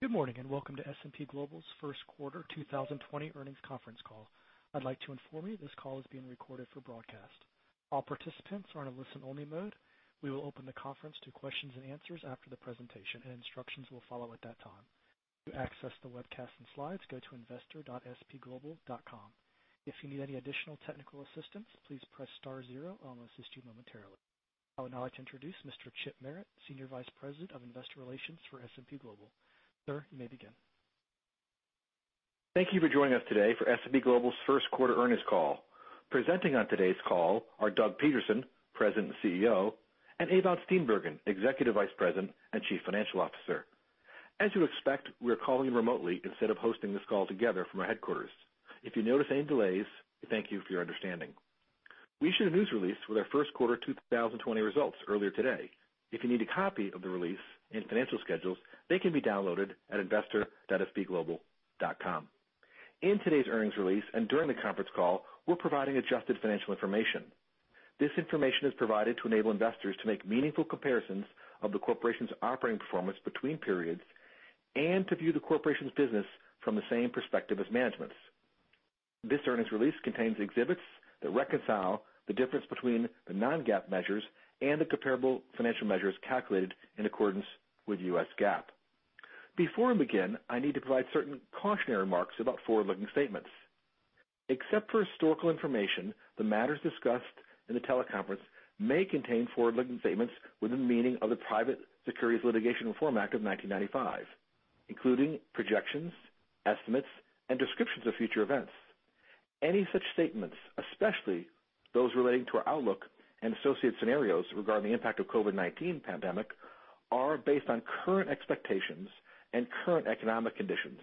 Good morning, welcome to S&P Global's Q1 2020 earnings conference call. I'd like to inform you this call is being recorded for broadcast. All participants are in a listen-only mode. We will open the conference to questions and answers after the presentation, and instructions will follow at that time. To access the webcast and slides, go to investor.spglobal.com. If you need any additional technical assistance, please press star zero. I will assist you momentarily. I would now like to introduce Mr. Chip Merritt, Senior Vice President of Investor Relations for S&P Global. Sir, you may begin. Thank you for joining us today for S&P Global's Q1 earnings call. Presenting on today's call are Doug Peterson, President and CEO, and Ewout Steenbergen, Executive Vice President and Chief Financial Officer. As you expect, we're calling in remotely instead of hosting this call together from our headquarters. If you notice any delays, we thank you for your understanding. We issued a news release with our Q1 2020 results earlier today. If you need a copy of the release and financial schedules, they can be downloaded at investor.spglobal.com. In today's earnings release and during the conference call, we're providing adjusted financial information. This information is provided to enable investors to make meaningful comparisons of the corporation's operating performance between periods and to view the corporation's business from the same perspective as management's. This earnings release contains exhibits that reconcile the difference between the non-GAAP measures and the comparable financial measures calculated in accordance with US GAAP. Before we begin, I need to provide certain cautionary remarks about forward-looking statements. Except for historical information, the matters discussed in the teleconference may contain forward-looking statements within the meaning of the Private Securities Litigation Reform Act of 1995, including projections, estimates, and descriptions of future events. Any such statements, especially those relating to our outlook and associated scenarios regarding the impact of COVID-19 pandemic, are based on current expectations and current economic conditions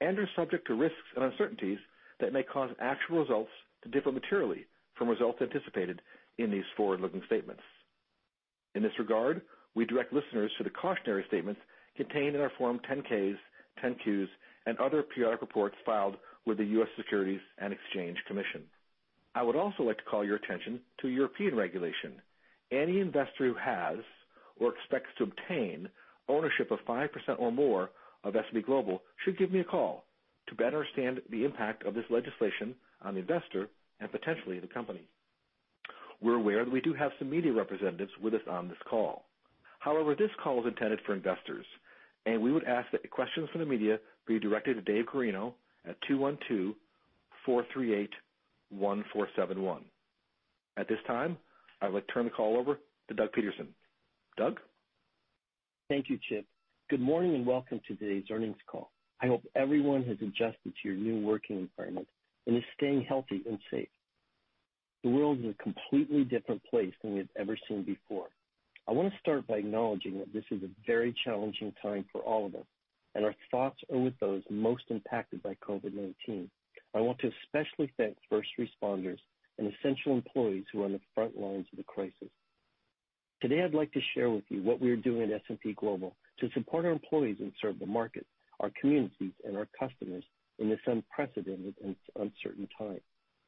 and are subject to risks and uncertainties that may cause actual results to differ materially from results anticipated in these forward-looking statements. In this regard, we direct listeners to the cautionary statements contained in our Form 10-Ks, 10-Qs, and other periodic reports filed with the U.S. Securities and Exchange Commission. I would also like to call your attention to European regulation. Any investor who has or expects to obtain ownership of 5% or more of S&P Global should give me a call to better understand the impact of this legislation on the investor and potentially the company. We're aware that we do have some media representatives with us on this call. However, this call is intended for investors, and we would ask that questions from the media be directed to Dave Corino at 212-438-1471. At this time, I would like to turn the call over to Doug Peterson. Doug? Thank you, Chip. Good morning and welcome to today's earnings call. I hope everyone has adjusted to your new working environment and is staying healthy and safe. The world is a completely different place than we've ever seen before. I want to start by acknowledging that this is a very challenging time for all of us, and our thoughts are with those most impacted by COVID-19. I want to especially thank first responders and essential employees who are on the front lines of the crisis. Today, I'd like to share with you what we are doing at S&P Global to support our employees and serve the market, our communities, and our customers in this unprecedented and uncertain time.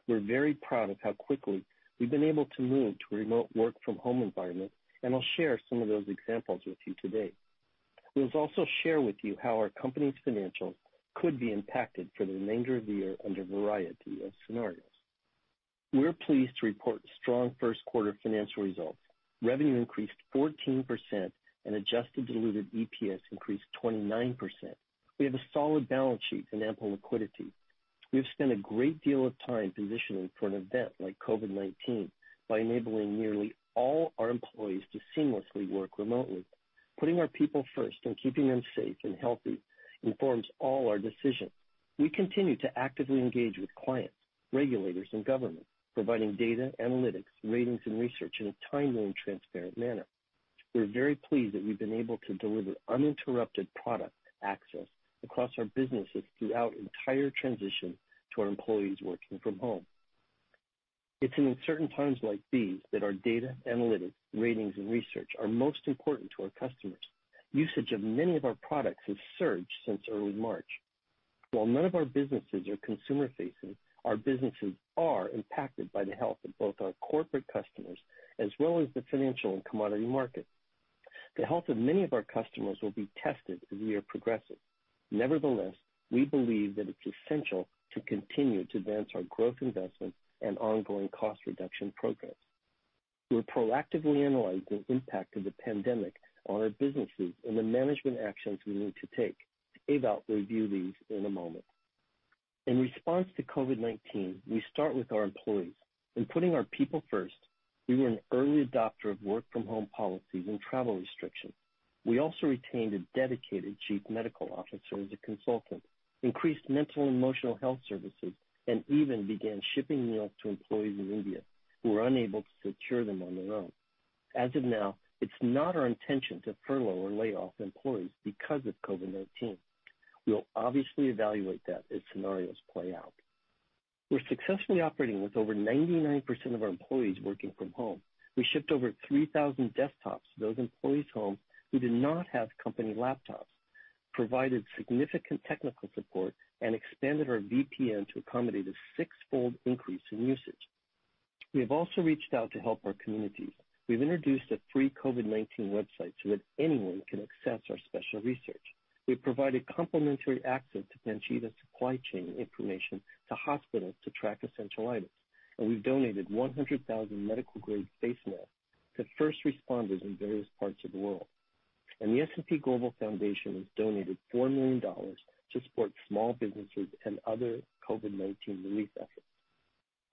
We're very proud of how quickly we've been able to move to a remote work from home environment, and I'll share some of those examples with you today. We'll also share with you how our company's financials could be impacted for the remainder of the year under a variety of scenarios. We're pleased to report strong Q1 financial results. Revenue increased 14%, adjusted diluted EPS increased 29%. We have a solid balance sheet and ample liquidity. We have spent a great deal of time positioning for an event like COVID-19 by enabling nearly all our employees to seamlessly work remotely. Putting our people first and keeping them safe and healthy informs all our decisions. We continue to actively engage with clients, regulators, and government, providing data, analytics, ratings, and research in a timely and transparent manner. We're very pleased that we've been able to deliver uninterrupted product access across our businesses throughout the entire transition to our employees working from home. It's in uncertain times like these that our data analytics, ratings, and research are most important to our customers. Usage of many of our products has surged since early March. While none of our businesses are consumer-facing, our businesses are impacted by the health of both our corporate customers as well as the financial and commodity markets. The health of many of our customers will be tested as we are progressive. Nevertheless, we believe that it's essential to continue to advance our growth investments and ongoing cost reduction progress. We're proactively analyzing the impact of the pandemic on our businesses and the management actions we need to take. Ewout will review these in a moment. In response to COVID-19, we start with our employees. In putting our people first, we were an early adopter of work from home policies and travel restrictions. We also retained a dedicated chief medical officer as a consultant, increased mental and emotional health services, and even began shipping meals to employees in India who were unable to secure them on their own. As of now, it's not our intention to furlough or lay off employees because of COVID-19. We'll obviously evaluate that as scenarios play out. We're successfully operating with over 99% of our employees working from home. We shipped over 3,000 desktops to those employees home who did not have company laptops, provided significant technical support, and expanded our VPN to accommodate a sixfold increase in usage. We have also reached out to help our communities. We've introduced a free COVID-19 website so that anyone can access our special research. We've provided complimentary access to Panjiva supply chain information to hospitals to track essential items, and we've donated 100,000 medical-grade face masks to first responders in various parts of the world. The S&P Global Foundation has donated $4 million to support small businesses and other COVID-19 relief efforts.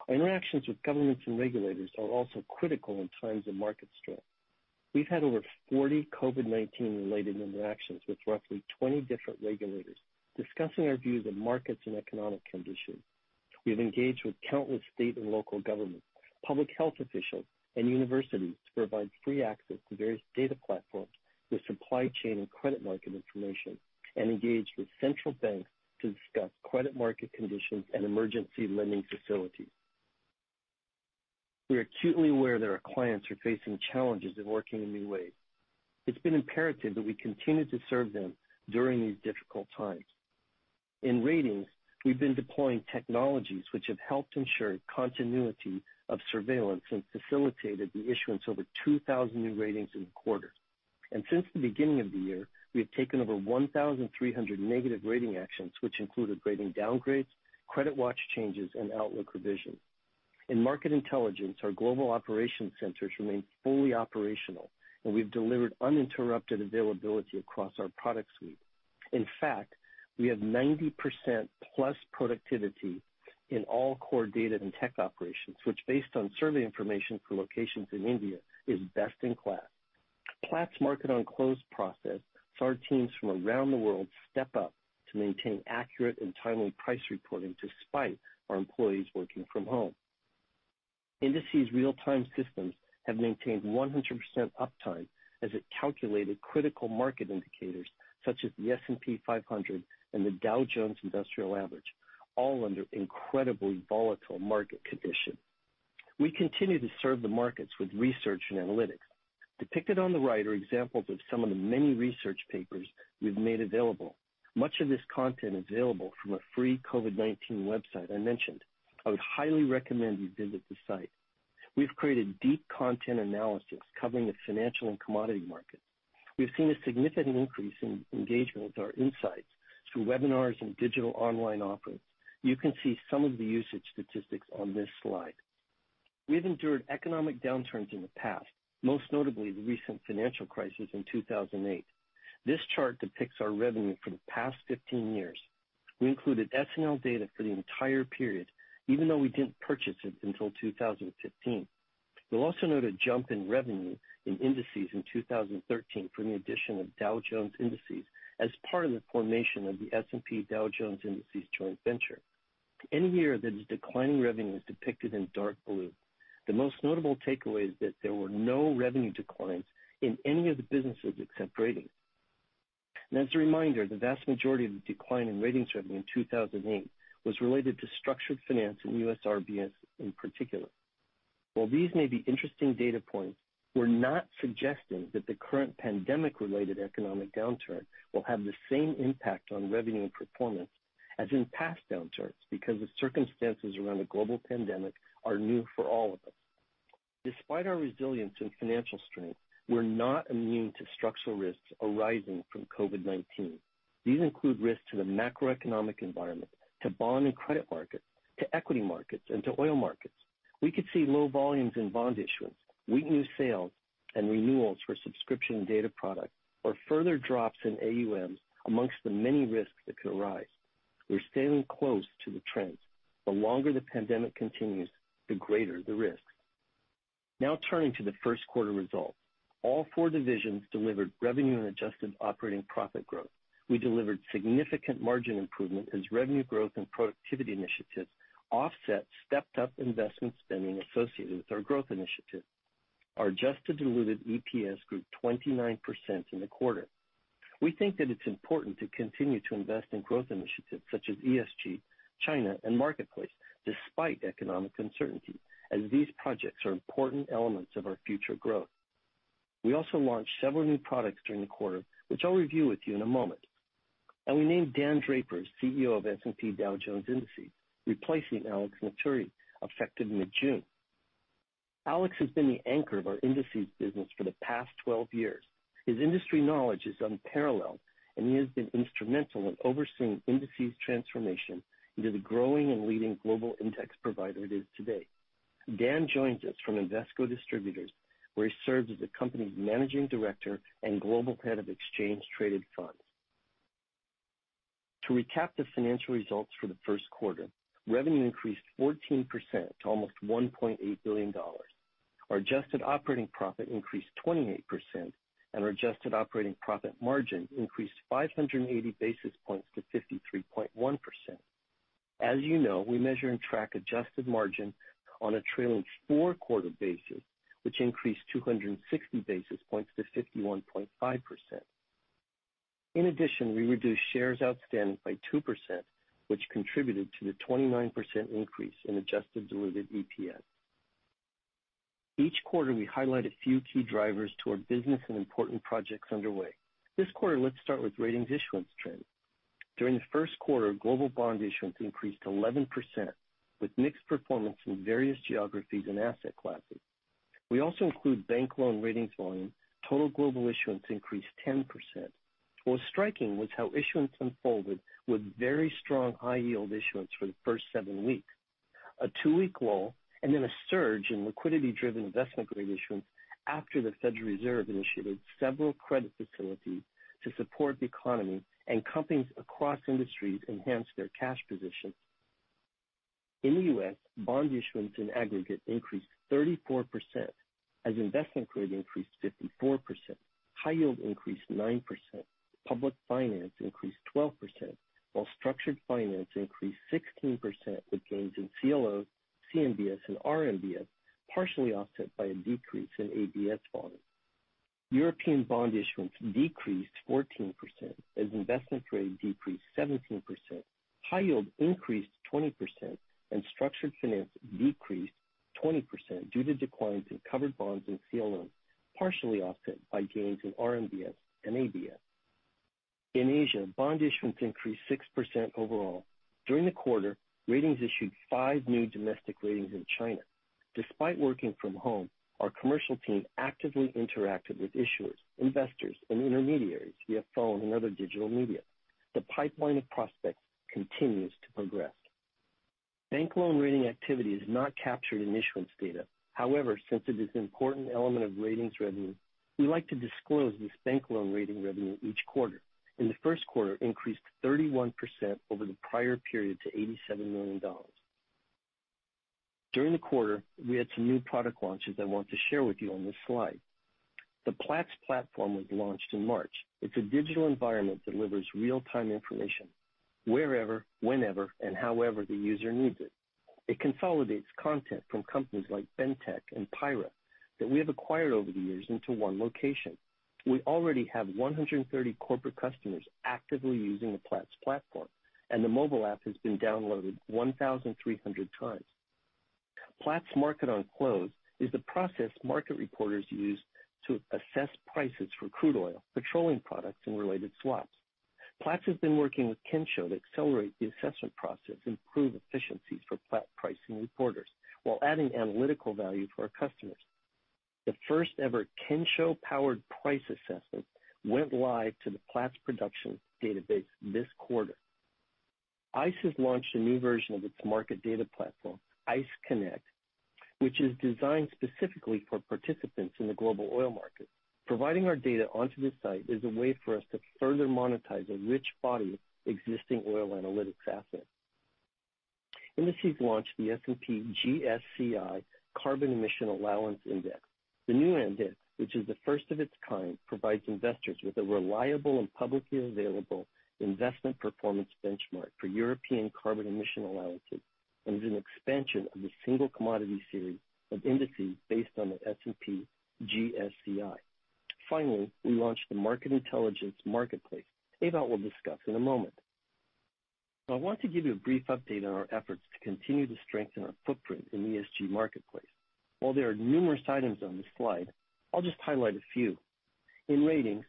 Our interactions with governments and regulators are also critical in times of market stress. We've had over 40 COVID-19 related interactions with roughly 20 different regulators discussing our views of markets and economic conditions. We have engaged with countless state and local governments, public health officials, and universities to provide free access to various data platforms with supply chain and credit market information, and engaged with central banks to discuss credit market conditions and emergency lending facilities. We are acutely aware that our clients are facing challenges in working in new ways. It's been imperative that we continue to serve them during these difficult times. In ratings, we've been deploying technologies which have helped ensure continuity of surveillance and facilitated the issuance of over 2,000 new ratings in the quarter. Since the beginning of the year, we have taken over 1,300 negative rating actions, which included rating downgrades, credit watch changes, and outlook revisions. In market intelligence, our global operation centers remain fully operational, and we've delivered uninterrupted availability across our product suite. In fact, we have 90%+ productivity in all core data and tech operations, which based on survey information for locations in India, is best in class. Platts Market on Close process saw teams from around the world step up to maintain accurate and timely price reporting despite our employees working from home. Indices real-time systems have maintained 100% uptime as it calculated critical market indicators such as the S&P 500 and the Dow Jones Industrial Average, all under incredibly volatile market conditions. We continue to serve the markets with research and analytics. Depicted on the right are examples of some of the many research papers we've made available. Much of this content is available from a free COVID-19 website I mentioned. I would highly recommend you visit the site. We've created deep content analysis covering the financial and commodity markets. We've seen a significant increase in engagement with our insights through webinars and digital online offerings. You can see some of the usage statistics on this slide. We've endured economic downturns in the past, most notably the recent financial crisis in 2008. This chart depicts our revenue for the past 15 years. We included SNL data for the entire period, even though we didn't purchase it until 2015. You'll also note a jump in revenue in indices in 2013 from the addition of Dow Jones Indices as part of the formation of the S&P Dow Jones Indices joint venture. Any year that is declining revenue is depicted in dark blue. The most notable takeaway is that there were no revenue declines in any of the businesses except ratings. As a reminder, the vast majority of the decline in ratings revenue in 2008 was related to structured finance and U.S. RMBS in particular. While these may be interesting data points, we're not suggesting that the current pandemic-related economic downturn will have the same impact on revenue and performance as in past downturns, because the circumstances around a global pandemic are new for all of us. Despite our resilience and financial strength, we're not immune to structural risks arising from COVID-19. These include risks to the macroeconomic environment, to bond and credit markets, to equity markets, and to oil markets. We could see low volumes in bond issuance, weakened sales, and renewals for subscription and data products, or further drops in AUMs amongst the many risks that could arise. We're sailing close to the trends. The longer the pandemic continues, the greater the risk. Turning to the Q1 results. All four divisions delivered revenue and adjusted operating profit growth. We delivered significant margin improvement as revenue growth and productivity initiatives offset stepped-up investment spending associated with our growth initiatives. Our adjusted diluted EPS grew 29% in the quarter. We think that it's important to continue to invest in growth initiatives such as ESG, China, and Marketplace despite economic uncertainty, as these projects are important elements of our future growth. We also launched several new products during the quarter, which I'll review with you in a moment. We named Dan Draper as CEO of S&P Dow Jones Indices, replacing Alex Matturri, effective mid-June. Alex has been the anchor of our indices business for the past 12 years. His industry knowledge is unparalleled, and he has been instrumental in overseeing indices transformation into the growing and leading global index provider it is today. Dan joins us from Invesco Distributors, where he serves as the company's managing director and global head of exchange-traded funds. To recap the financial results for the Q1, revenue increased 14% to almost $1.8 billion. Our adjusted operating profit increased 28%, and our adjusted operating profit margin increased 580 basis points to 53.1%. As you know, we measure and track adjusted margin on a trailing four-quarter basis, which increased 260 basis points to 51.5%. In addition, we reduced shares outstanding by 2%, which contributed to the 29% increase in adjusted diluted EPS. Each quarter, we highlight a few key drivers to our business and important projects underway. This quarter, let's start with ratings issuance trends. During the Q1, global bond issuance increased 11%, with mixed performance in various geographies and asset classes. We also include bank loan ratings volume. Total global issuance increased 10%. What was striking was how issuance unfolded with very strong high-yield issuance for the first seven weeks, a two-week lull, and then a surge in liquidity-driven investment-grade issuance after the Federal Reserve initiated several credit facilities to support the economy and companies across industries enhance their cash position. In the U.S., bond issuance in aggregate increased 34% as investment grade increased 54%, high yield increased 9%, public finance increased 12%, while structured finance increased 16% with gains in CLOs, CMBS, and RMBS partially offset by a decrease in ABS volume. European bond issuance decreased 14% as investment grade decreased 17%, high yield increased 20%, and structured finance decreased 20% due to declines in covered bonds and CLO, partially offset by gains in RMBS and ABS. In Asia, bond issuance increased 6% overall. During the quarter, ratings issued five new domestic ratings in China. Despite working from home, our commercial team actively interacted with issuers, investors, and intermediaries via phone and other digital media. The pipeline of prospects continues to progress. Bank loan rating activity is not captured in issuance data. Since it is an important element of ratings revenue, we like to disclose this bank loan rating revenue each quarter. In the Q1, it increased 31% over the prior period to $87 million. During the quarter, we had some new product launches I want to share with you on this slide. The Platts platform was launched in March. It's a digital environment that delivers real-time information wherever, whenever, and however the user needs it. It consolidates content from companies like Bentek and Pira that we have acquired over the years into one location. We already have 130 corporate customers actively using the Platts platform, and the mobile app has been downloaded 1,300 times. Platts Market on Close is the process market reporters use to assess prices for crude oil, petroleum products, and related swaps. Platts has been working with Kensho to accelerate the assessment process and improve efficiency for Platts pricing reporters while adding analytical value for our customers. The first ever Kensho-powered price assessment went live to the Platts production database this quarter. ICE has launched a new version of its market data platform, ICE Connect, which is designed specifically for participants in the global oil market. Providing our data onto the site is a way for us to further monetize a rich body of existing oil analytics assets. Indices launched the S&P GSCI Carbon Emission Allowances Index. The new index, which is the first of its kind, provides investors with a reliable and publicly available investment performance benchmark for European carbon emission allowances and is an expansion of the single commodity series of indices based on the S&P GSCI. We launched the Market Intelligence Marketplace, Ewout will discuss in a moment. I want to give you a brief update on our efforts to continue to strengthen our footprint in ESG Marketplace. There are numerous items on this slide, I'll just highlight a few. In ratings,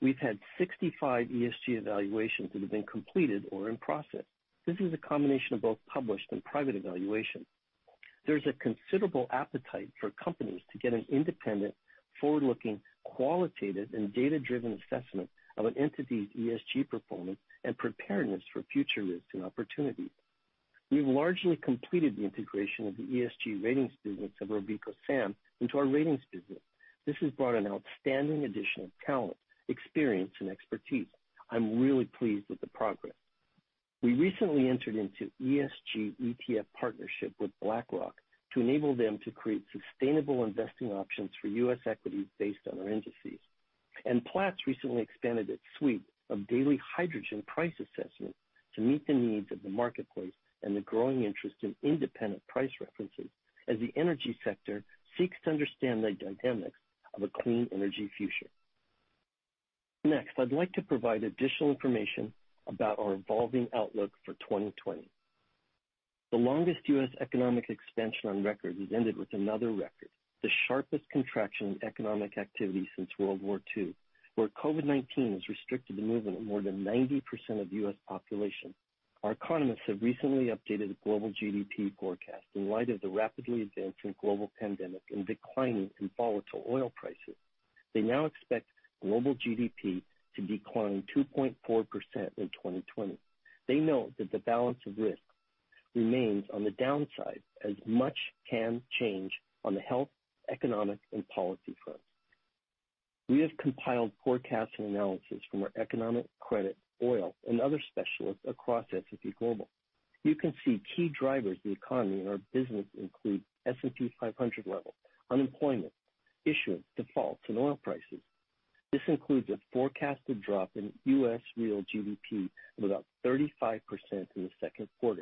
we've had 65 ESG evaluations that have been completed or in process. This is a combination of both published and private evaluation. There's a considerable appetite for companies to get an independent, forward-looking, qualitative, and data-driven assessment of an entity's ESG performance and preparedness for future risks and opportunities. We've largely completed the integration of the ESG ratings business of RobecoSAM into our ratings business. This has brought an outstanding addition of talent, experience, and expertise. I'm really pleased with the progress. We recently entered into ESG ETF partnership with BlackRock to enable them to create sustainable investing options for U.S. equities based on our indices. Platts recently expanded its suite of daily hydrogen price assessments to meet the needs of the marketplace and the growing interest in independent price references as the energy sector seeks to understand the dynamics of a clean energy future. Next, I'd like to provide additional information about our evolving outlook for 2020. The longest U.S. economic expansion on record has ended with another record, the sharpest contraction in economic activity since World War II, where COVID-19 has restricted the movement of more than 90% of the U.S. population. Our economists have recently updated the global GDP forecast in light of the rapidly advancing global pandemic and declining and volatile oil prices. They now expect global GDP to decline 2.4% in 2020. They note that the balance of risk remains on the downside as much can change on the health, economic, and policy fronts. We have compiled forecasts and analysis from our economic, credit, oil, and other specialists across S&P Global. You can see key drivers of the economy in our business include S&P 500 level, unemployment, issuance, defaults, and oil prices. This includes a forecasted drop in U.S. real GDP of about 35% in the Q2.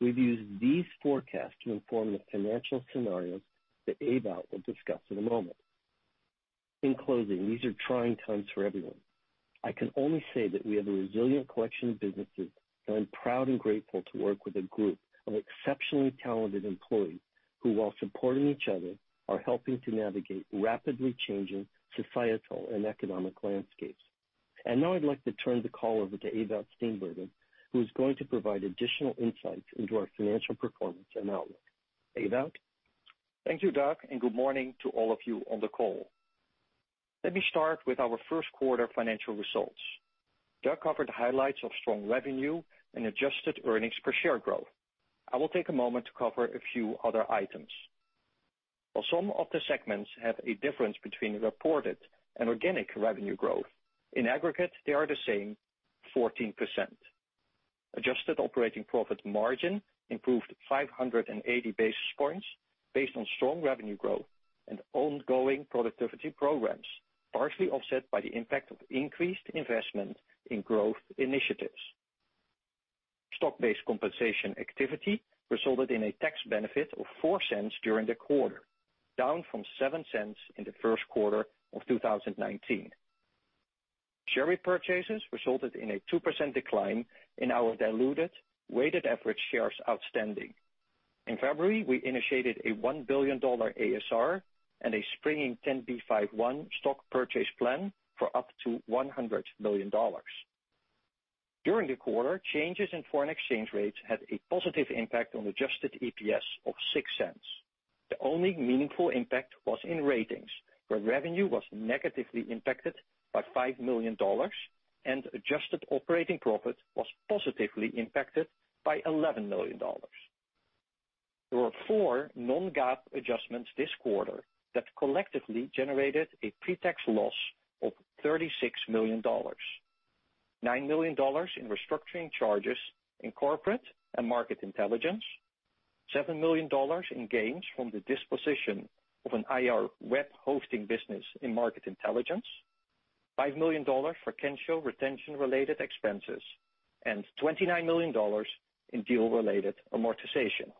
We've used these forecasts to inform the financial scenarios that Ewout will discuss in a moment. In closing, these are trying times for everyone. I can only say that we have a resilient collection of businesses, and I'm proud and grateful to work with a group of exceptionally talented employees who, while supporting each other, are helping to navigate rapidly changing societal and economic landscapes. Now I'd like to turn the call over to Ewout Steenbergen, who's going to provide additional insights into our financial performance and outlook. Ewout? Thank you, Doug, and good morning to all of you on the call. Let me start with our Q1 financial results. Doug covered the highlights of strong revenue and adjusted earnings per share growth. I will take a moment to cover a few other items. While some of the segments have a difference between reported and organic revenue growth, in aggregate, they are the same, 14%. Adjusted operating profit margin improved 580 basis points based on strong revenue growth and ongoing productivity programs, partially offset by the impact of increased investment in growth initiatives. Stock-based compensation activity resulted in a tax benefit of $0.04 during the quarter, down from $0.07 in the Q1 of 2019. Share repurchases resulted in a 2% decline in our diluted weighted average shares outstanding. In February, we initiated a $1 billion ASR and a spring 10b5-1 stock purchase plan for up to $100 million. During the quarter, changes in foreign exchange rates had a positive impact on adjusted EPS of $0.06. The only meaningful impact was in Ratings, where revenue was negatively impacted by $5 million and adjusted operating profit was positively impacted by $11 million. There were four non-GAAP adjustments this quarter that collectively generated a pre-tax loss of $36 million. $9 million in restructuring charges in corporate and Market Intelligence, $7 million in gains from the disposition of an IR web hosting business in Market Intelligence, $5 million for Kensho retention-related expenses, and $29 million in deal-related amortization.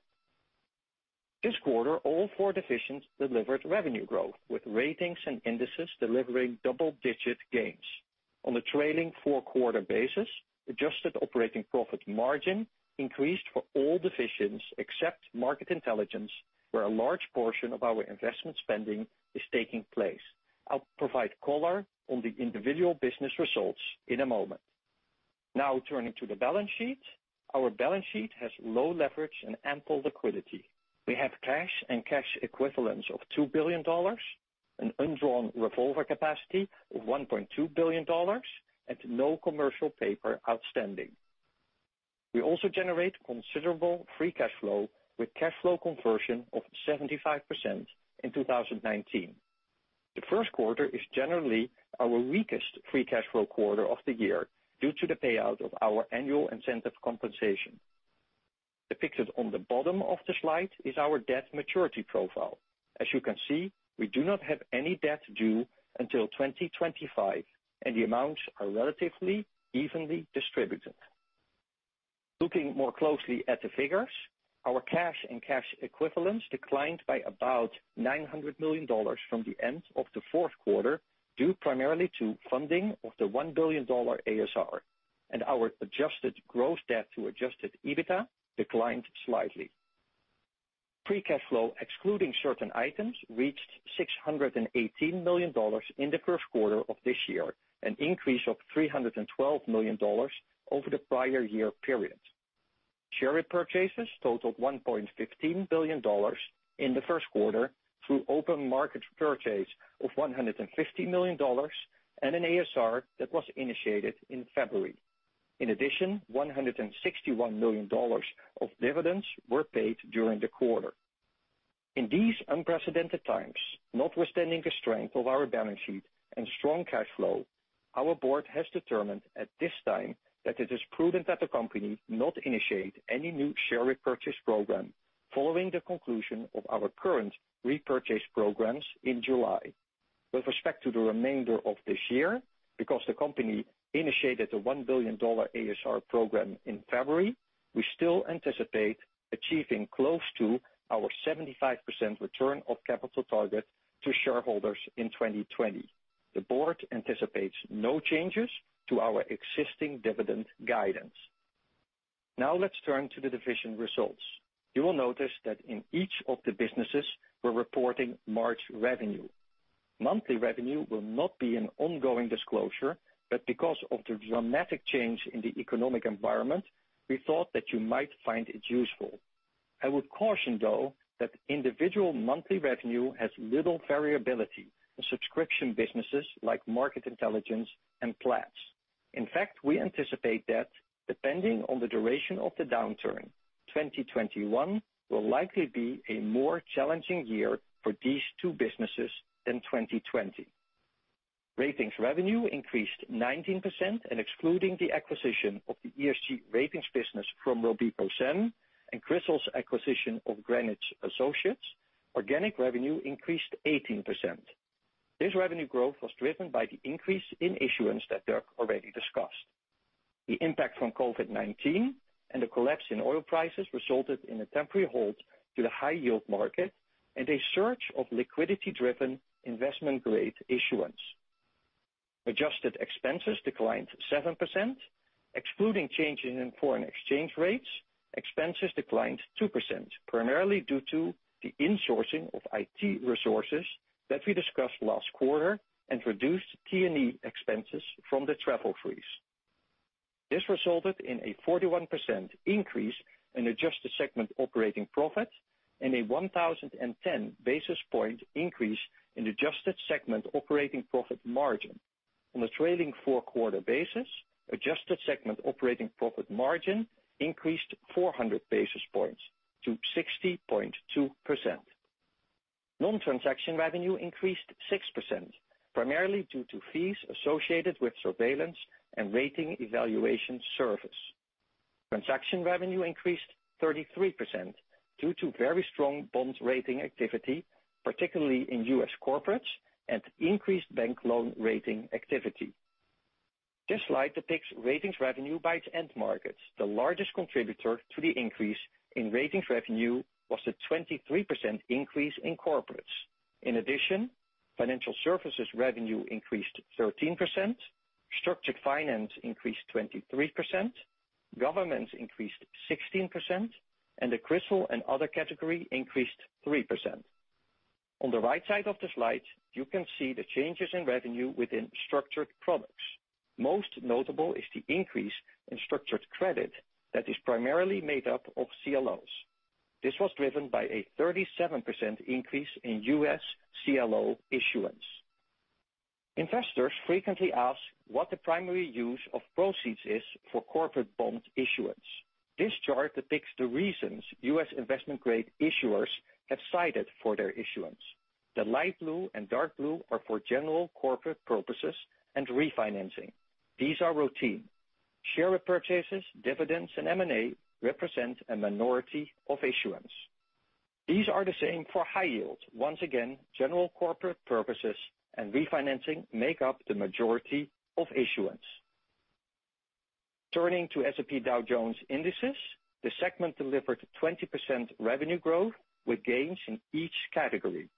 This quarter, all four divisions delivered revenue growth, with Ratings and Indices delivering double-digit gains. On the trailing four-quarter basis, adjusted operating profit margin increased for all divisions except Market Intelligence, where a large portion of our investment spending is taking place. I'll provide color on the individual business results in a moment. Turning to the balance sheet. Our balance sheet has low leverage and ample liquidity. We have cash and cash equivalents of $2 billion, an undrawn revolver capacity of $1.2 billion, and no commercial paper outstanding. We also generate considerable free cash flow, with cash flow conversion of 75% in 2019. The Q1 is generally our weakest free cash flow quarter of the year due to the payout of our annual incentive compensation. Depicted on the bottom of the slide is our debt maturity profile. As you can see, we do not have any debt due until 2025, and the amounts are relatively evenly distributed. Looking more closely at the figures, our cash and cash equivalents declined by about $900 million from the end of the Q4, due primarily to funding of the $1 billion ASR, and our adjusted gross debt to adjusted EBITDA declined slightly. Free cash flow, excluding certain items, reached $618 million in the Q1 of this year, an increase of $312 million over the prior year period. Share repurchases totaled $1.15 billion in the Q1 through open market purchase of $150 million and an ASR that was initiated in February. In addition, $161 million of dividends were paid during the quarter. In these unprecedented times, notwithstanding the strength of our balance sheet and strong cash flow, our board has determined at this time that it is prudent that the company not initiate any new share repurchase program following the conclusion of our current repurchase programs in July. With respect to the remainder of this year, because the company initiated a $1 billion ASR program in February, we still anticipate achieving close to our 75% return of capital target to shareholders in 2020. The board anticipates no changes to our existing dividend guidance. Now let's turn to the division results. You will notice that in each of the businesses, we're reporting March revenue. Monthly revenue will not be an ongoing disclosure, but because of the dramatic change in the economic environment, we thought that you might find it useful. I would caution, though, that individual monthly revenue has little variability in subscription businesses like Market Intelligence and Platts. In fact, we anticipate that depending on the duration of the downturn, 2021 will likely be a more challenging year for these two businesses than 2020. Ratings revenue increased 19%, excluding the acquisition of the ESG ratings business from RobecoSAM and CRISIL's acquisition of Greenwich Associates, organic revenue increased 18%. This revenue growth was driven by the increase in issuance that Doug already discussed. The impact from COVID-19 and the collapse in oil prices resulted in a temporary halt to the high-yield market and a surge of liquidity-driven investment-grade issuance. Adjusted expenses declined 7%. Excluding changes in foreign exchange rates, expenses declined 2%, primarily due to the insourcing of IT resources that we discussed last quarter and reduced T&E expenses from the travel freeze. This resulted in a 41% increase in adjusted segment operating profit and a 1,010 basis point increase in adjusted segment operating profit margin. On a trailing four-quarter basis, adjusted segment operating profit margin increased 400 basis points to 60.2%. Non-transaction revenue increased 6%, primarily due to fees associated with surveillance and rating evaluation service. Transaction revenue increased 33% due to very strong bond rating activity, particularly in U.S. corporates and increased bank loan rating activity. This slide depicts ratings revenue by its end markets. The largest contributor to the increase in ratings revenue was a 23% increase in corporates. In addition, financial services revenue increased 13%, structured finance increased 23%, governments increased 16%, and the CRISIL and other category increased 3%. On the right side of the slide, you can see the changes in revenue within structured products. Most notable is the increase in structured credit that is primarily made up of CLOs. This was driven by a 37% increase in U.S. CLO issuance. Investors frequently ask what the primary use of proceeds is for corporate bond issuance. This chart depicts the reasons U.S. investment-grade issuers have cited for their issuance. The light blue and dark blue are for general corporate purposes and refinancing. These are routine. Share repurchases, dividends, and M&A represent a minority of issuance. These are the same for high yield. Once again, general corporate purposes and refinancing make up the majority of issuance. Turning to S&P Dow Jones Indices, the segment delivered 20% revenue growth with gains in each category.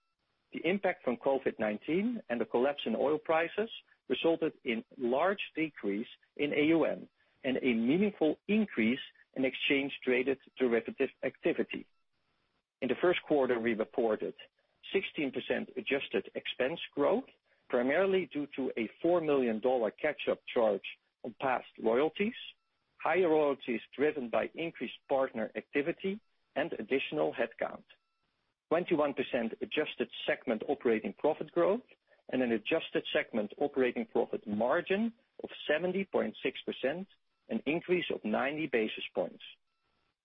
The impact from COVID-19 and the collapse in oil prices resulted in large decrease in AUM and a meaningful increase in exchange-traded derivative activity. In the Q1, we reported 16% adjusted expense growth, primarily due to a $4 million catch-up charge on past royalties, higher royalties driven by increased partner activity, and additional headcount. 21% adjusted segment operating profit growth and an adjusted segment operating profit margin of 70.6%, an increase of 90 basis points.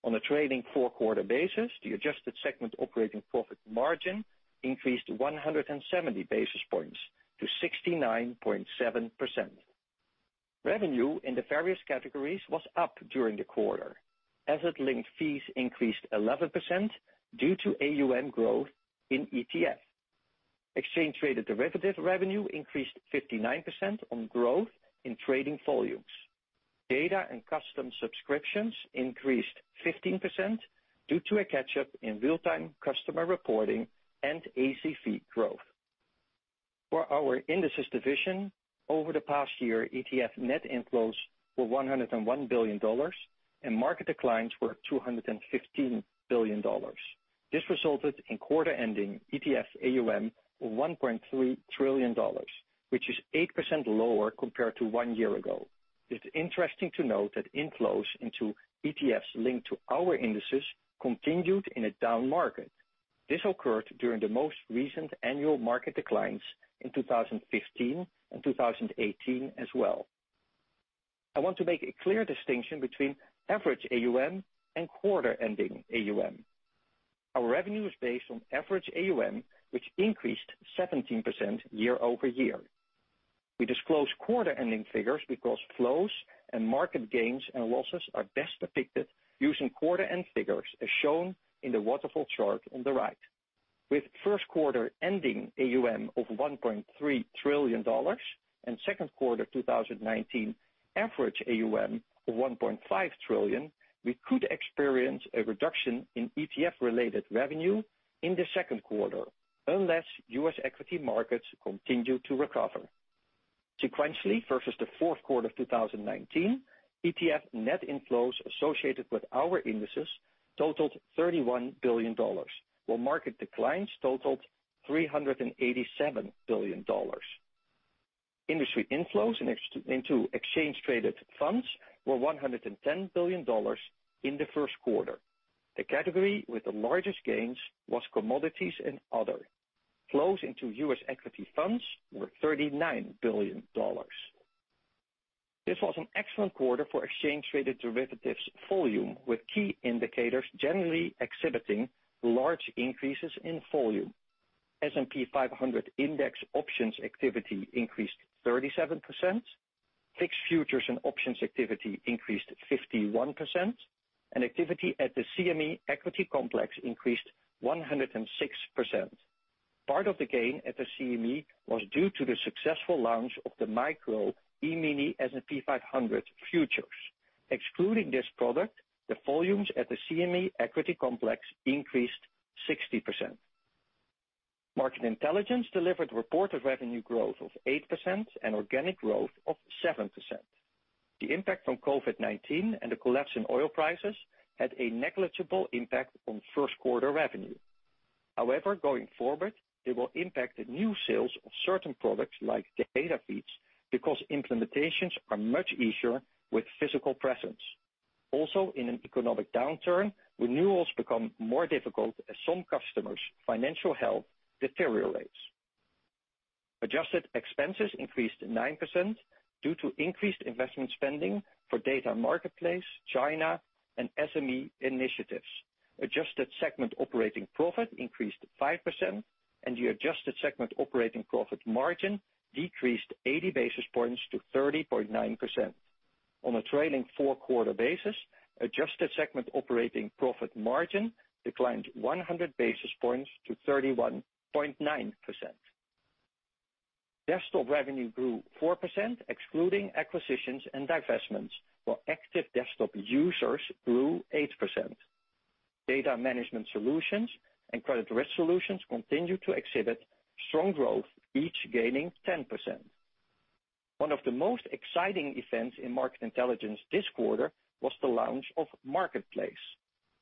On a trailing four-quarter basis, the adjusted segment operating profit margin increased 170 basis points to 69.7%. Revenue in the various categories was up during the quarter. Asset-linked fees increased 11% due to AUM growth in ETF. Exchange-traded derivative revenue increased 59% on growth in trading volumes. Data and custom subscriptions increased 15% due to a catch-up in real-time customer reporting and ACV growth. For our indices division, over the past year, ETF net inflows were $101 billion and market declines were $215 billion. This resulted in quarter-ending ETF AUM of $1.3 trillion, which is 8% lower compared to one year ago. It's interesting to note that inflows into ETFs linked to our indices continued in a down market. This occurred during the most recent annual market declines in 2015 and 2018 as well. I want to make a clear distinction between average AUM and quarter-ending AUM. Our revenue is based on average AUM, which increased 17% year-over-year. We disclose quarter-ending figures because flows and market gains and losses are best depicted using quarter-end figures, as shown in the waterfall chart on the right. With Q1-ending AUM of $1.3 trillion and Q2 2019 average AUM of $1.5 trillion, we could experience a reduction in ETF-related revenue in the Q2 unless U.S. equity markets continue to recover. Sequentially versus the Q4 of 2019, ETF net inflows associated with our indices totaled $31 billion, while market declines totaled $387 billion. Industry inflows into exchange-traded funds were $110 billion in the Q1. The category with the largest gains was commodities and other. Flows into U.S. equity funds were $39 billion. This was an excellent quarter for exchange-traded derivatives volume, with key indicators generally exhibiting large increases in volume. S&P 500 index options activity increased 37%, VIX futures and options activity increased 51%, and activity at the CME equity complex increased 106%. Part of the gain at the CME was due to the successful launch of the Micro E-mini S&P 500 futures. Excluding this product, the volumes at the CME equity complex increased 60%. Market intelligence delivered reported revenue growth of 8% and organic growth of 7%. The impact from COVID-19 and the collapse in oil prices had a negligible impact on Q1 revenue. Going forward, it will impact the new sales of certain products like data feeds, because implementations are much easier with physical presence. In an economic downturn, renewals become more difficult as some customers' financial health deteriorates. Adjusted expenses increased 9% due to increased investment spending for Data Marketplace, China, and SME initiatives. Adjusted segment operating profit increased 5%. The adjusted segment operating profit margin decreased 80-basis points to 30.9%. On a trailing four-quarter basis, adjusted segment operating profit margin declined 100 basis points to 31.9%. Desktop revenue grew 4%, excluding acquisitions and divestments, while active desktop users grew 8%. Data management solutions and credit risk solutions continued to exhibit strong growth, each gaining 10%. One of the most exciting events in market intelligence this quarter was the launch of Marketplace.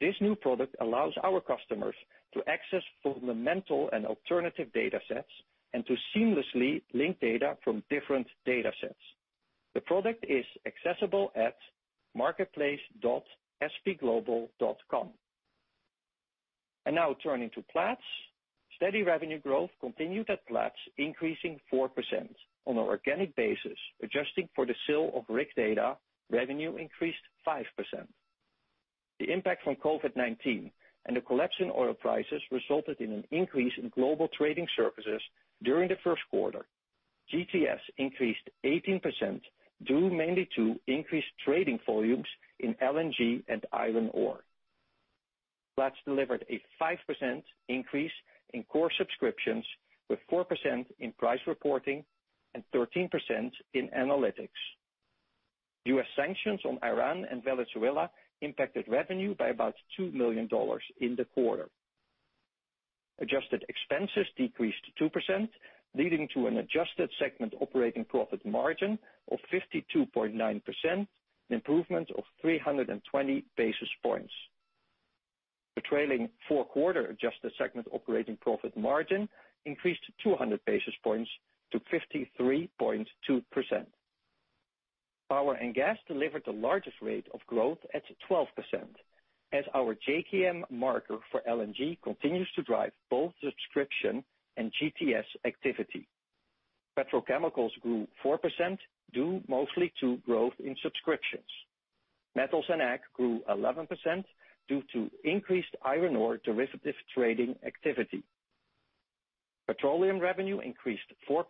This new product allows our customers to access fundamental and alternative data sets, to seamlessly link data from different data sets. The product is accessible at marketplace.spglobal.com. Now turning to Platts. Steady revenue growth continued at Platts, increasing 4% on an organic basis. Adjusting for the sale of RigData, revenue increased 5%. The impact from COVID-19 and the collapse in oil prices resulted in an increase in global trading services during the Q1. GTS increased 18%, due mainly to increased trading volumes in LNG and iron ore. Platts delivered a 5% increase in core subscriptions, with 4% in price reporting and 13% in analytics. U.S. sanctions on Iran and Venezuela impacted revenue by about $2 million in the quarter. Adjusted expenses decreased 2%, leading to an adjusted segment operating profit margin of 52.9%, an improvement of 320-basis points. The trailing four quarter adjusted segment operating profit margin increased 200-basis points to 53.2%. Power and gas delivered the largest rate of growth at 12%, as our JKM marker for LNG continues to drive both subscription and GTS activity. Petrochemicals grew 4%, due mostly to growth in subscriptions. Metals and ag grew 11% due to increased iron ore derivative trading activity. Petroleum revenue increased 4%.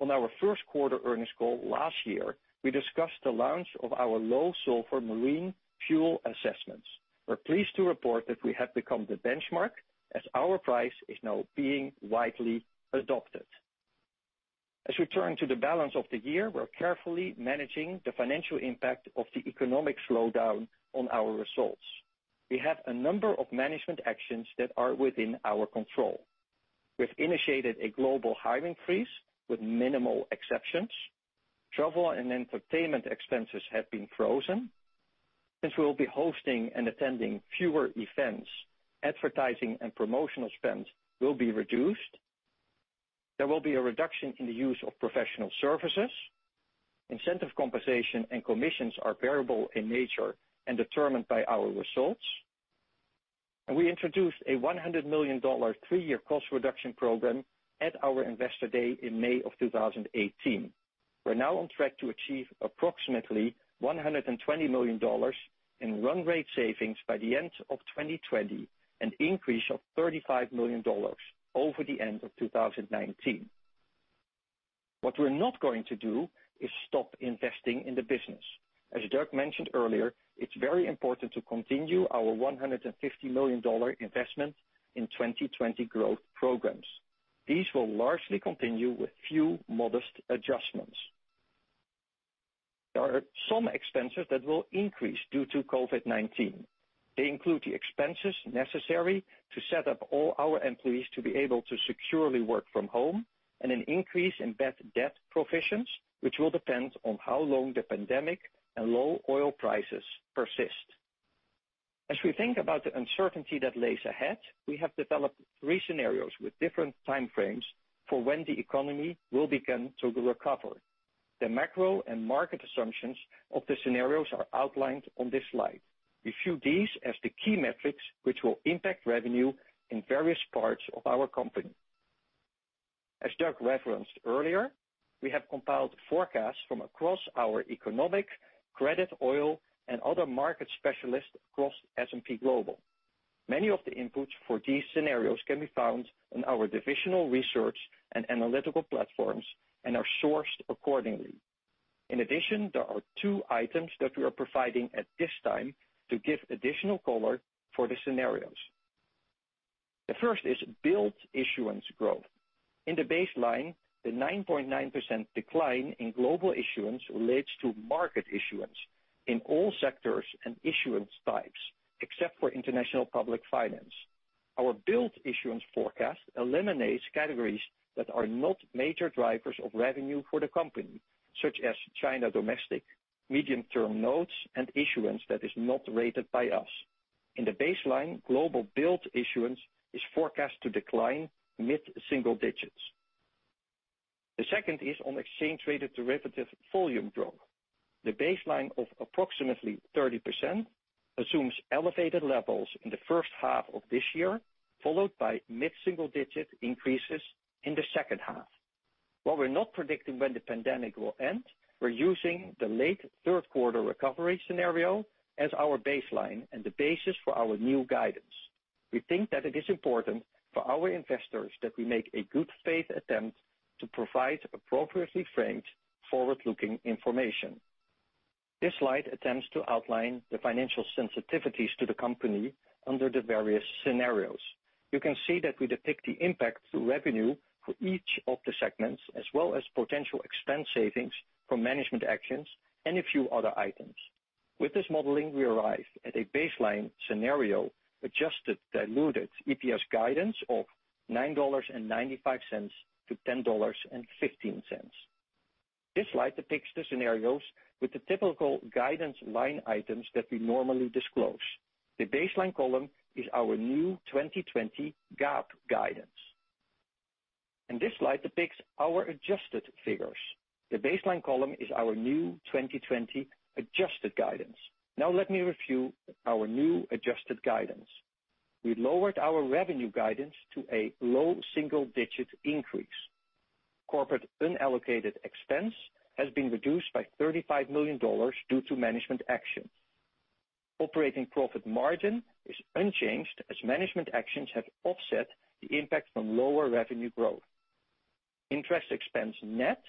On our Q1 earnings call last year, we discussed the launch of our low sulfur marine fuel assessments. We're pleased to report that we have become the benchmark as our price is now being widely adopted. As we turn to the balance of the year, we're carefully managing the financial impact of the economic slowdown on our results. We have a number of management actions that are within our control. We've initiated a global hiring freeze with minimal exceptions. Travel and entertainment expenses have been frozen. Since we'll be hosting and attending fewer events, advertising and promotional spends will be reduced. There will be a reduction in the use of professional services. Incentive compensation and commissions are variable in nature and determined by our results. We introduced a $100 million three-year cost reduction program at our investor day in May of 2018. We're now on track to achieve approximately $120 million in run rate savings by the end of 2020, an increase of $35 million over the end of 2019. What we're not going to do is stop investing in the business. As Doug mentioned earlier, it's very important to continue our $150 million investment in 2020 growth programs. These will largely continue with few modest adjustments. There are some expenses that will increase due to COVID-19. They include the expenses necessary to set up all our employees to be able to securely work from home, and an increase in bad debt provisions, which will depend on how long the pandemic and low oil prices persist. As we think about the uncertainty that lies ahead, we have developed three scenarios with different time frames for when the economy will begin to recover. The macro and market assumptions of the scenarios are outlined on this slide. We view these as the key metrics which will impact revenue in various parts of our company. As Doug referenced earlier, we have compiled forecasts from across our economic, credit, oil, and other market specialists across S&P Global. Many of the inputs for these scenarios can be found on our divisional research and analytical platforms and are sourced accordingly. In addition, there are two items that we are providing at this time to give additional color for the scenarios. The first is bond issuance growth. In the baseline, the 9.9% decline in global issuance relates to market issuance in all sectors and issuance types, except for international public finance. Our bond issuance forecast eliminates categories that are not major drivers of revenue for the company, such as China domestic, medium-term notes, and issuance that is not rated by us. In the baseline, global bond issuance is forecast to decline mid-single digits. The second is on exchange-rated derivative volume drop. The baseline of approximately 30% assumes elevated levels in the H1 of this year, followed by mid-single digit increases in the H2. While we're not predicting when the pandemic will end, we're using the late Q3 recovery scenario as our baseline and the basis for our new guidance. We think that it is important for our investors that we make a good faith attempt to provide appropriately framed forward-looking information. This slide attempts to outline the financial sensitivities to the company under the various scenarios. You can see that we depict the impact to revenue for each of the segments, as well as potential expense savings from management actions and a few other items. With this modeling, we arrive at a baseline scenario, adjusted diluted EPS guidance of $9.95-$10.15. This slide depicts the scenarios with the typical guidance line items that we normally disclose. The baseline column is our new 2020 GAAP guidance. This slide depicts our adjusted figures. The baseline column is our new 2020 adjusted guidance. Now let me review our new adjusted guidance. We lowered our revenue guidance to a low single-digit increase. Corporate unallocated expense has been reduced by $35 million due to management actions. Operating profit margin is unchanged as management actions have offset the impact from lower revenue growth. Interest expense net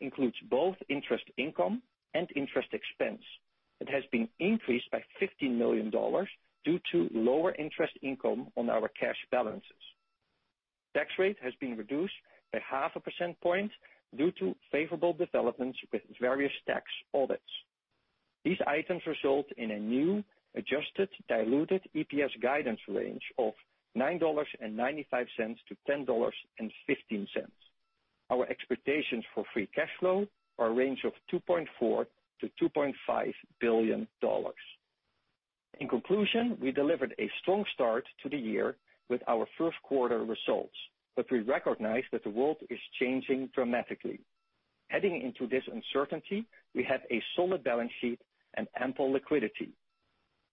includes both interest income and interest expense. It has been increased by $15 million due to lower interest income on our cash balances. Tax rate has been reduced by half a percentage point due to favorable developments with various tax audits. These items result in a new adjusted diluted EPS guidance range of $9.95-$10.15. Our expectations for free cash flow are a range of $2.4-$2.5 billion. In conclusion, we delivered a strong start to the year with our Q1 results, but we recognize that the world is changing dramatically. Heading into this uncertainty, we have a solid balance sheet and ample liquidity.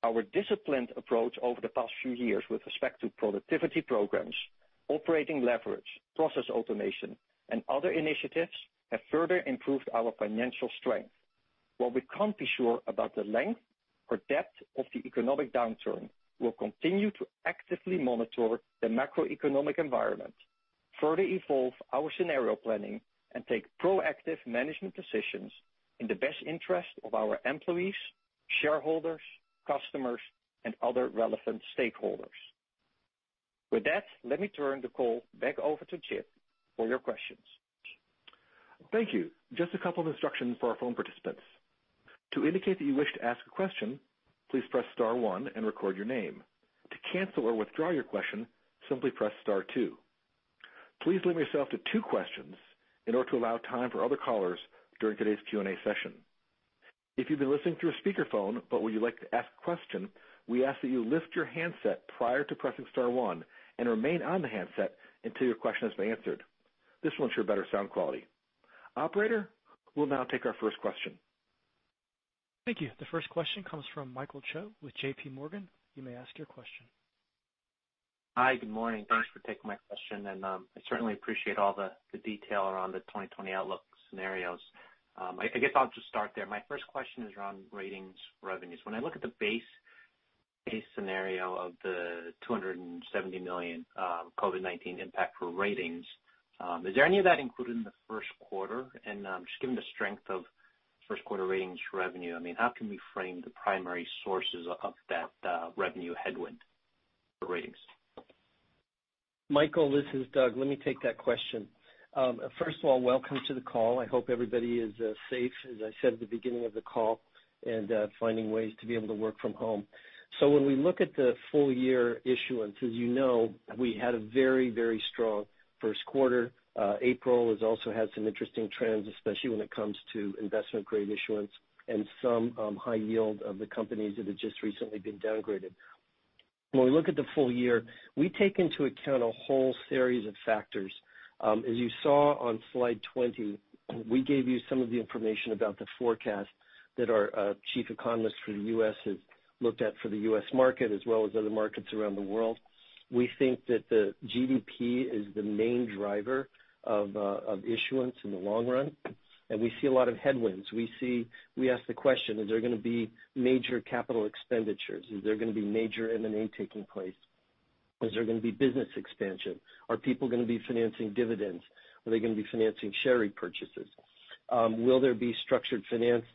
Our disciplined approach over the past few years with respect to productivity programs, operating leverage, process automation, and other initiatives have further improved our financial strength. While we can't be sure about the length or depth of the economic downturn, we'll continue to actively monitor the macroeconomic environment, further evolve our scenario planning, and take proactive management decisions in the best interest of our employees, shareholders, customers, and other relevant stakeholders. With that, let me turn the call back over to Chip for your questions. Thank you. Just a couple of instructions for our phone participants. To indicate that you wish to ask a question, please press star one and record your name. To cancel or withdraw your question, simply press star two. Please limit yourself to two questions in order to allow time for other callers during today's Q&A session. If you've been listening through a speakerphone but would you like to ask a question, we ask that you lift your handset prior to pressing star one and remain on the handset until your question has been answered. This will ensure better sound quality. Operator, we'll now take our first question. Thank you. The first question comes from Michael Cho with JPMorgan. You may ask your question. Hi. Good morning. Thanks for taking my question. I certainly appreciate all the detail around the 2020 outlook scenarios. I guess I'll just start there. My first question is around ratings revenues. When I look at the base case scenario of the $270 million COVID-19 impact for ratings, is there any of that included in the Q1? Just given the strength of Q1 ratings revenue, how can we frame the primary sources of that revenue headwind for ratings? Michael, this is Doug. Let me take that question. First of all, welcome to the call. I hope everybody is safe, as I said at the beginning of the call, and finding ways to be able to work from home. When we look at the full year issuance, as you know, we had a very strong Q1. April has also had some interesting trends, especially when it comes to investment-grade issuance and some high yield of the companies that had just recently been downgraded. When we look at the full year, we take into account a whole series of factors. As you saw on slide 20, we gave you some of the information about the forecast that our chief economist for the U.S. has looked at for the U.S. market as well as other markets around the world. We think that the GDP is the main driver of issuance in the long run, and we see a lot of headwinds. We ask the question, is there going to be major capital expenditures? Is there going to be major M&A taking place? Is there going to be business expansion? Are people going to be financing dividends? Are they going to be financing share repurchases? Will there be structured finance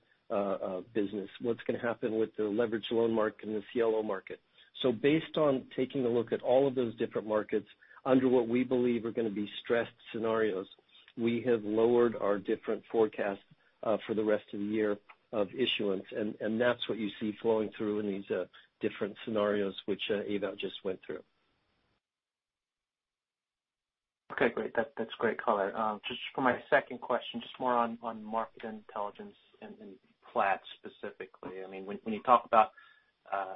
business? What's going to happen with the leverage loan market and the CLO market? Based on taking a look at all of those different markets under what we believe are going to be stressed scenarios, we have lowered our different forecasts for the rest of the year of issuance. That's what you see flowing through in these different scenarios, which Ewout just went through. Okay, great. That's great color. Just for my second question, just more on Market Intelligence and Platts specifically. When you talk about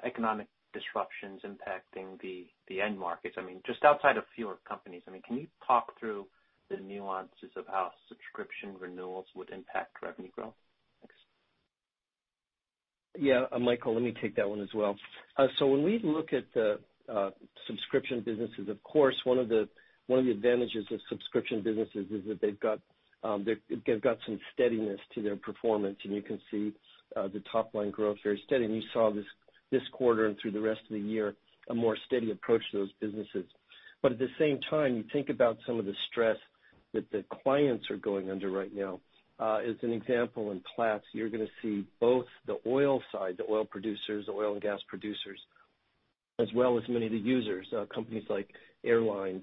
economic disruptions impacting the end markets, just outside of fewer companies, can you talk through the nuances of how subscription renewals would impact revenue growth? Thanks. Yeah, Michael, let me take that one as well. When we look at the subscription businesses, of course, one of the advantages of subscription businesses is that they've got some steadiness to their performance, and you can see the top-line growth very steady. You saw this quarter and through the rest of the year, a more steady approach to those businesses. At the same time, you think about some of the stress that the clients are going under right now. As an example, in Platts, you're going to see both the oil side, the oil producers, oil and gas producers, as well as many of the users, companies like airlines,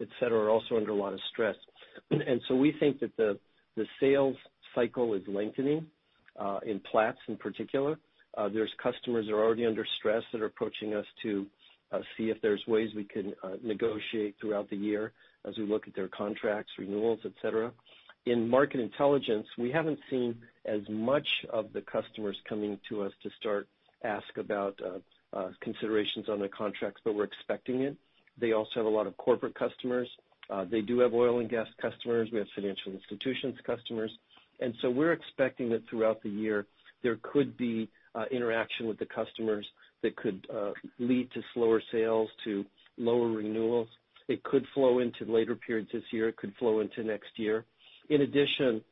et cetera, are also under a lot of stress. We think that the sales cycle is lengthening in Platts in particular. There's customers that are already under stress that are approaching us to see if there's ways we can negotiate throughout the year as we look at their contracts, renewals, et cetera. In Market Intelligence, we haven't seen as much of the customers coming to us to ask about considerations on their contracts, but we're expecting it. They also have a lot of corporate customers. They do have oil and gas customers. We have financial institutions customers. We're expecting that throughout the year, there could be interaction with the customers that could lead to slower sales, to lower renewals. It could flow into later periods this year. It could flow into next year. In addition,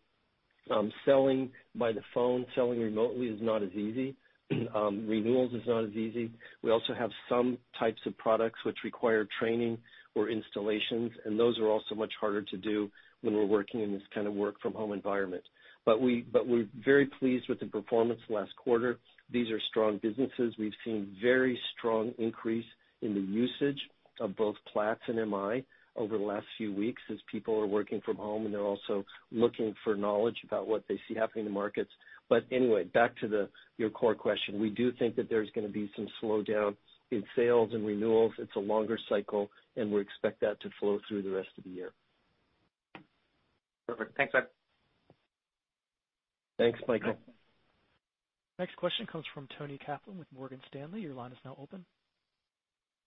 selling by the phone, selling remotely is not as easy. Renewals is not as easy. We also have some types of products which require training or installations, and those are also much harder to do when we're working in this kind of work from home environment. We're very pleased with the performance last quarter. These are strong businesses. We've seen very strong increase in the usage of both Platts and MI over the last few weeks as people are working from home, and they're also looking for knowledge about what they see happening in the markets. Anyway, back to your core question. We do think that there's going to be some slowdown in sales and renewals. It's a longer cycle, and we expect that to flow through the rest of the year. Perfect. Thanks, Doug. Thanks, Michael. Next question comes from Toni Kaplan with Morgan Stanley. Your line is now open.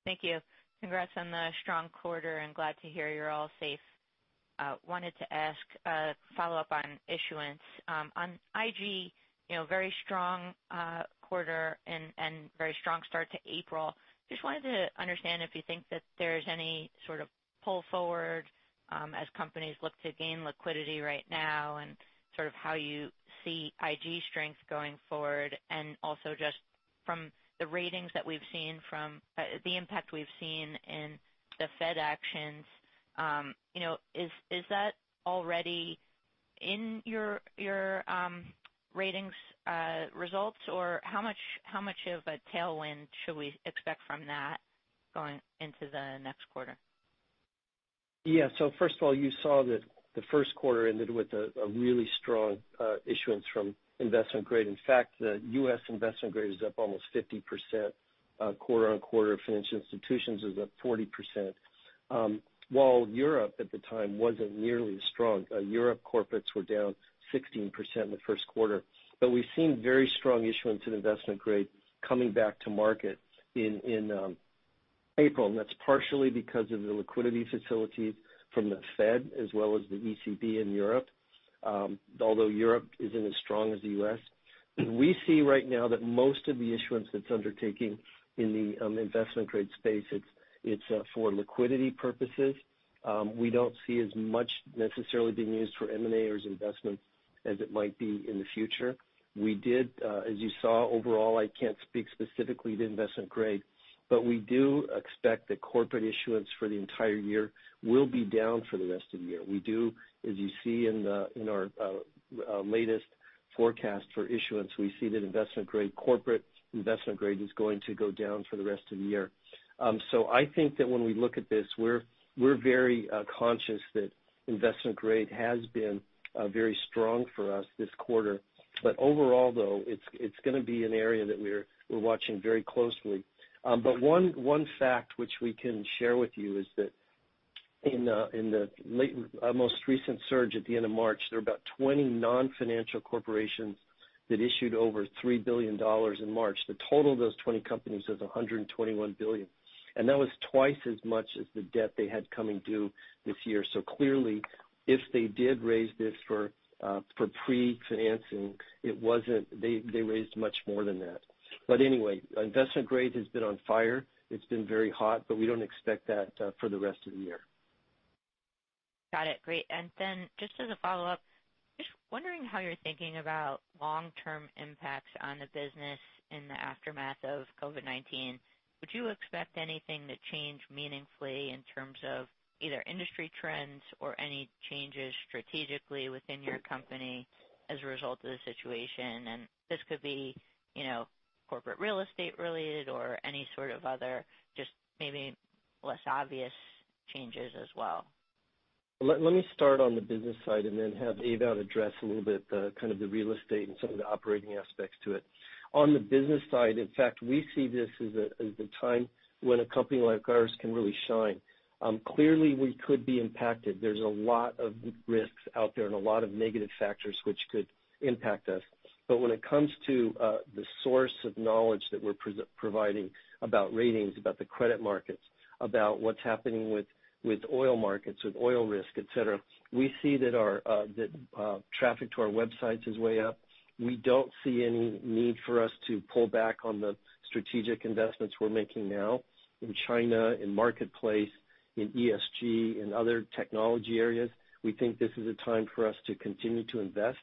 Thank you. Congrats on the strong quarter, glad to hear you're all safe. Wanted to ask a follow-up on issuance. On IG, very strong quarter and very strong start to April. Just wanted to understand if you think that there's any sort of pull forward as companies look to gain liquidity right now and sort of how you see IG strength going forward. Also, just from the ratings that we've seen from-- the impact we've seen in the Fed actions, is that already in your ratings results, or how much of a tailwind should we expect from that going into the next quarter? First of all, you saw that the Q1 ended with a really strong issuance from investment grade. In fact, the U.S. investment grade is up almost 50% quarter-on-quarter. Financial institutions is up 40%. Europe at the time wasn't nearly as strong. Europe corporates were down 16% in the Q1. We've seen very strong issuance in investment grade coming back to market in April, and that's partially because of the liquidity facilities from the Fed as well as the ECB in Europe. Europe isn't as strong as the U.S. We see right now that most of the issuance that's undertaking in the investment grade space, it's for liquidity purposes. We don't see as much necessarily being used for M&A or as investment as it might be in the future. We did, as you saw overall, I can't speak specifically to investment grade, but we do expect that corporate issuance for the entire year will be down for the rest of the year. We do, as you see in our latest forecast for issuance, we see that investment grade, corporate investment grade is going to go down for the rest of the year. I think that when we look at this, we're very conscious that investment grade has been very strong for us this quarter. Overall, though, it's going to be an area that we're watching very closely. One fact which we can share with you is that in the most recent surge at the end of March, there were about 20 non-financial corporations that issued over $3 billion in March. The total of those 20 companies is $121 billion. That was twice as much as the debt they had coming due this year. Clearly, if they did raise this for pre-financing, they raised much more than that. Anyway, investment grade has been on fire. It's been very hot, but we don't expect that for the rest of the year. Got it. Great. Then just as a follow-up, just wondering how you're thinking about long-term impacts on the business in the aftermath of COVID-19. Would you expect anything to change meaningfully in terms of either industry trends or any changes strategically within your company as a result of the situation? This could be corporate real estate related or any sort of other, just maybe less obvious changes as well. Let me start on the business side and then have Ewout address a little bit the real estate and some of the operating aspects to it. On the business side, in fact, we see this as a time when a company like ours can really shine. Clearly, we could be impacted. There's a lot of risks out there and a lot of negative factors which could impact us. When it comes to the source of knowledge that we're providing about ratings, about the credit markets, about what's happening with oil markets, with oil risk, et cetera, we see that traffic to our websites is way up. We don't see any need for us to pull back on the strategic investments we're making now in China, in Marketplace, in ESG, in other technology areas. We think this is a time for us to continue to invest.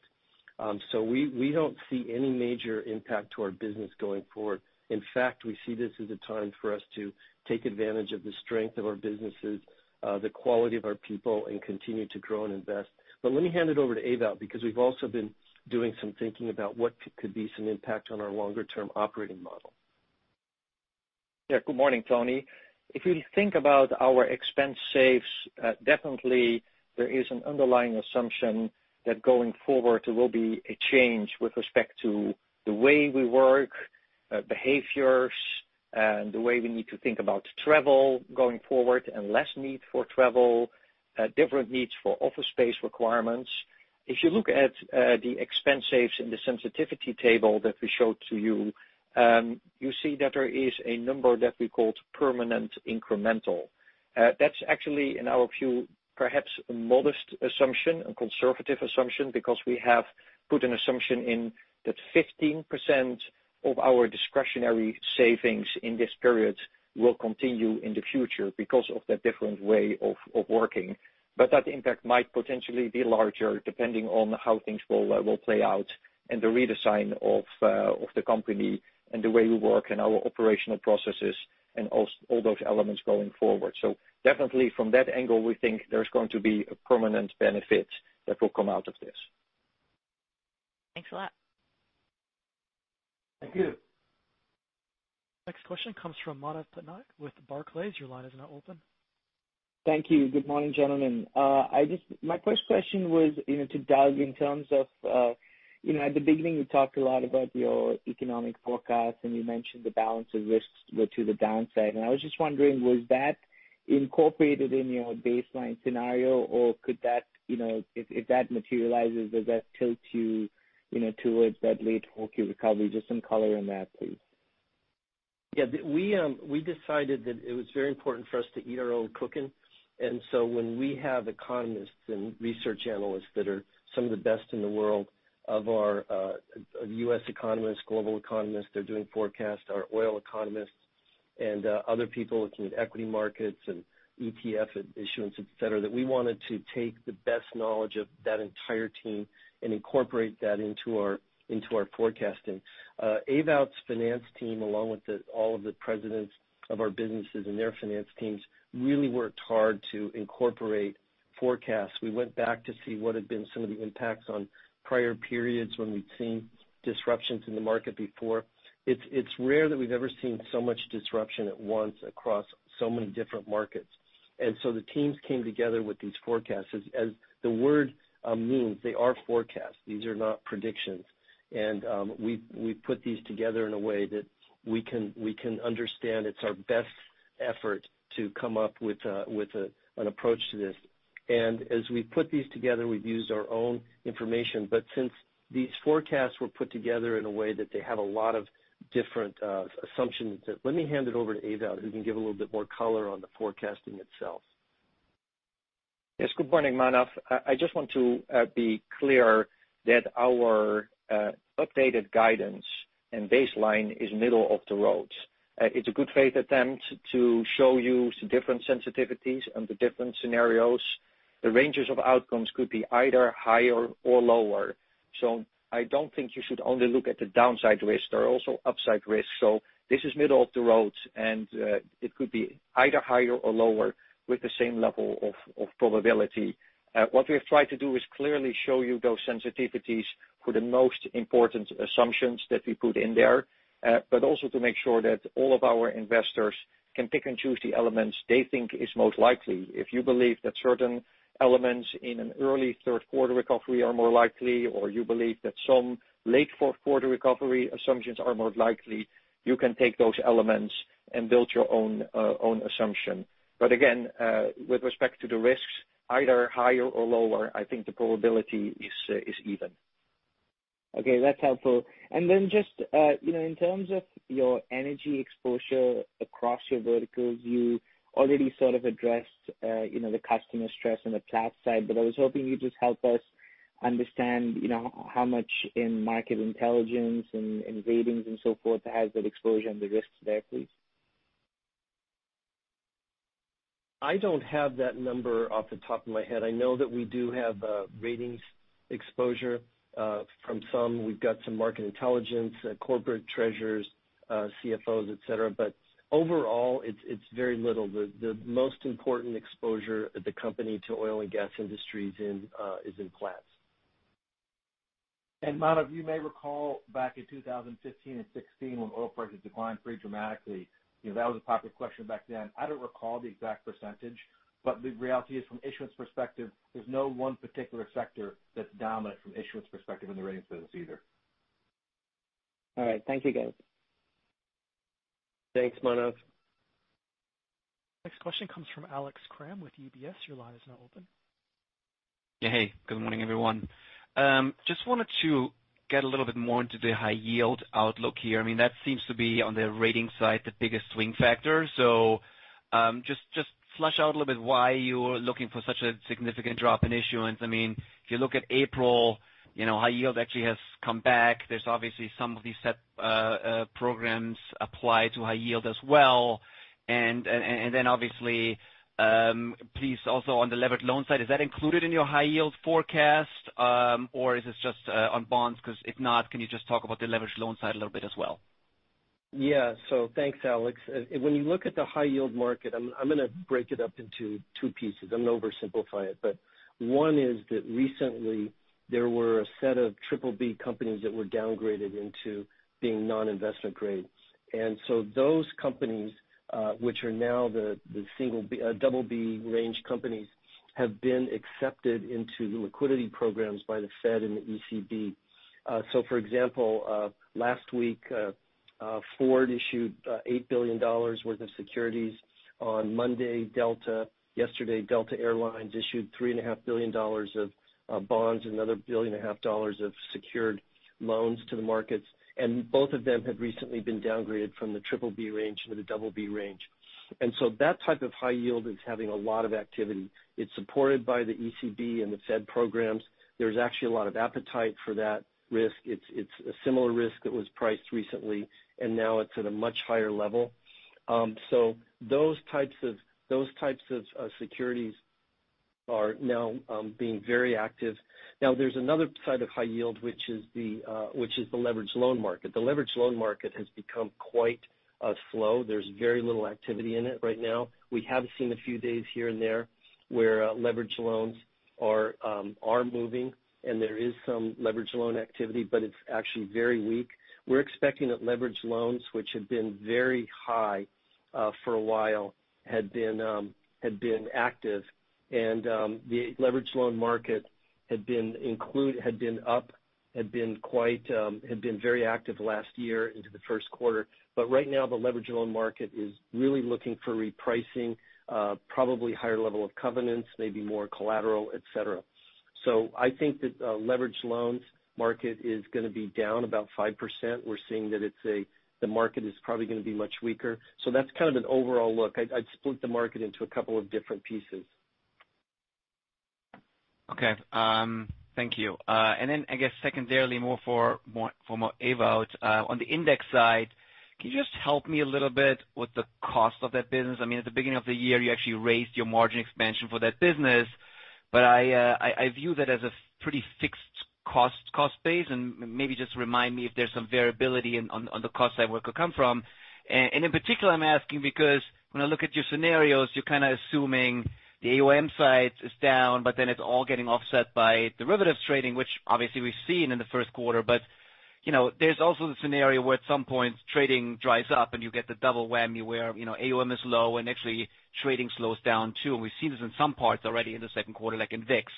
We don't see any major impact to our business going forward. In fact, we see this as a time for us to take advantage of the strength of our businesses, the quality of our people, and continue to grow and invest. Let me hand it over to Ewout, because we've also been doing some thinking about what some impact on our longer-term operating model could be. Good morning, Toni. If you think about our expense saves, definitely there is an underlying assumption that going forward, there will be a change with respect to the way we work, behaviors, and the way we need to think about travel going forward and less need for travel, different needs for office space requirements. If you look at the expense saves in the sensitivity table that we showed to you see that there is a number that we called permanent incremental. That's actually, in our view, perhaps a modest assumption, a conservative assumption, because we have put an assumption in that 15% of our discretionary savings in this period will continue in the future because of the different way of working. That impact might potentially be larger depending on how things will play out and the redesign of the company and the way we work and our operational processes and all those elements going forward. Definitely from that angle, we think there's going to be a permanent benefit that will come out of this. Thanks a lot. Thank you. Next question comes from Manav Patnaik with Barclays. Your line is now open. Thank you. Good morning, gentlemen. My first question was to dive in terms of, at the beginning, you talked a lot about your economic forecast, and you mentioned the balance of risks were to the downside. I was just wondering, was that incorporated in your baseline scenario, or if that materializes, does that tilt you towards that late Q4 recovery? Just some color on that, please. Yeah. We decided that it was very important for us to eat our own cooking. When we have economists and research analysts that are some of the best in the world of U.S. economists, global economists, they're doing forecasts, our oil economists and other people looking at equity markets and ETF issuance, etcetera, we wanted to take the best knowledge of that entire team and incorporate that into our forecasting. Ewout's finance team, along with all of the presidents of our businesses and their finance teams, really worked hard to incorporate forecasts. We went back to see what had been some of the impacts on prior periods when we'd seen disruptions in the market before. It's rare that we've ever seen so much disruption at once across so many different markets. The teams came together with these forecasts. As the word means, they are forecasts. These are not predictions. We put these together in a way that we can understand. It's our best effort to come up with an approach to this. As we put these together, we've used our own information. Since these forecasts were put together in a way that they have a lot of different assumptions, let me hand it over to Ewout, who can give a little bit more color on the forecasting itself. Yes, good morning, Manav. I just want to be clear that our updated guidance and baseline is middle of the road. It's a good faith attempt to show you the different sensitivities and the different scenarios. The ranges of outcomes could be either higher or lower. I don't think you should only look at the downside risks. There are also upside risks. This is middle of the road, and it could be either higher or lower with the same level of probability. What we have tried to do is clearly show you those sensitivities for the most important assumptions that we put in there, but also to make sure that all of our investors can pick and choose the elements they think is most likely. If you believe that certain elements in an early Q3 recovery are more likely, or you believe that some late Q4 recovery assumptions are more likely, you can take those elements and build your own assumption. Again, with respect to the risks, either higher or lower, I think the probability is even. Okay, that's helpful. Just in terms of your energy exposure across your verticals, you already sort of addressed the customer stress on the Platts side, I was hoping you'd just help us understand how much in market intelligence and ratings and so forth has that exposure and the risks there, please. I don't have that number off the top of my head. I know that we do have a ratings exposure from some. We've got some market intelligence, corporate treasurers, CFOs, et cetera. Overall, it's very little. The most important exposure of the company to oil and gas industry is in Platts. Manav, you may recall back in 2015 and '16 when oil prices declined pretty dramatically, that was a popular question back then. I don't recall the exact percentage, but the reality is from issuance perspective, there's no one particular sector that's dominant from issuance perspective in the ratings business either. All right. Thank you, guys. Thanks, Manav. Next question comes from Alex Kramm with UBS. Your line is now open. Yeah. Hey, good morning, everyone. Just wanted to get a little bit more into the high yield outlook here. That seems to be, on the rating side, the biggest swing factor. Just flesh out a little bit why you're looking for such a significant drop in issuance. If you look at April, high yield actually has come back. There's obviously some of these set programs apply to high yield as well. Obviously, please also on the levered loan side, is that included in your high yield forecast or is this just on bonds? If not, can you just talk about the leverage loan side a little bit as well? Thanks, Alex. When you look at the high yield market, I'm going to break it up into two pieces. I'm going to oversimplify it. One is that recently there were a set of triple B companies that were downgraded into being non-investment grade. Those companies, which are now the double B range companies, have been accepted into the liquidity programs by the Fed and the ECB. For example, last week Ford issued $8 billion worth of securities. On Monday, Delta. Yesterday, Delta Air Lines issued $3.5 billion of bonds, another billion and a half dollars of secured loans to the markets. Both of them had recently been downgraded from the triple B range to the double B range. That type of high yield is having a lot of activity. It's supported by the ECB and the Fed programs. There's actually a lot of appetite for that risk. It's a similar risk that was priced recently, and now it's at a much higher level. Those types of securities are now being very active. There's another side of high yield, which is the leveraged loan market. The leveraged loan market has become quite slow. There's very little activity in it right now. We have seen a few days here and there where leveraged loans are moving, and there is some leverage loan activity, but it's actually very weak. We're expecting that leveraged loans, which have been very high for a while, had been active and the leveraged loan market had been up, had been very active last year into the Q1. Right now, the leveraged loan market is really looking for repricing, probably higher level of covenants, maybe more collateral, et cetera. I think that leveraged loans market is going to be down about 5%. We're seeing that the market is probably going to be much weaker. That's kind of an overall look. I'd split the market into a couple of different pieces. Okay. Thank you. I guess secondarily, more for Ewout. On the index side, can you just help me a little bit with the cost of that business? At the beginning of the year, you actually raised your margin expansion for that business, but I view that as a pretty fixed cost base. Maybe just remind me if there's some variability on the cost side, where it could come from. In particular, I'm asking because when I look at your scenarios, you're kind of assuming the AUM side is down, it's all getting offset by derivatives trading, which obviously we've seen in the Q1. There's also the scenario where at some point trading dries up and you get the double whammy where AUM is low and actually trading slows down too. We've seen this in some parts already in the Q2, like in VIX.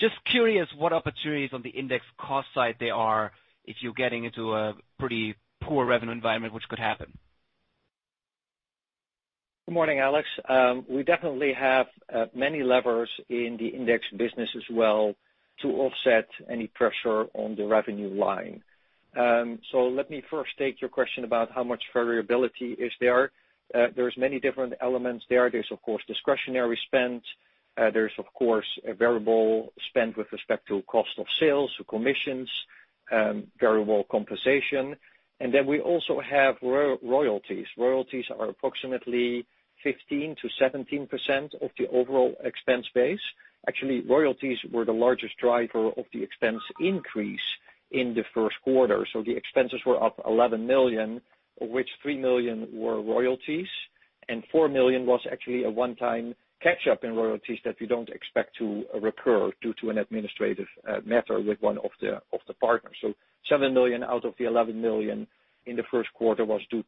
Just curious what opportunities on the index cost side there are if you're getting into a pretty poor revenue environment, which could happen. Good morning, Alex. We definitely have many levers in the index business as well to offset any pressure on the revenue line. Let me first take your question about how much variability is there. There's many different elements there. There's of course discretionary spend. There's of course a variable spend with respect to cost of sales, so commissions, variable compensation. Then we also have royalties. Royalties are approximately 15%-17% of the overall expense base. Actually, royalties were the largest driver of the expense increase in the Q1. The expenses were up $11 million, of which $3 million were royalties, and $4 million was actually a one-time catch up in royalties that we don't expect to recur due to an administrative matter with one of the partners. $7 million out of the $11 million in the Q1 was due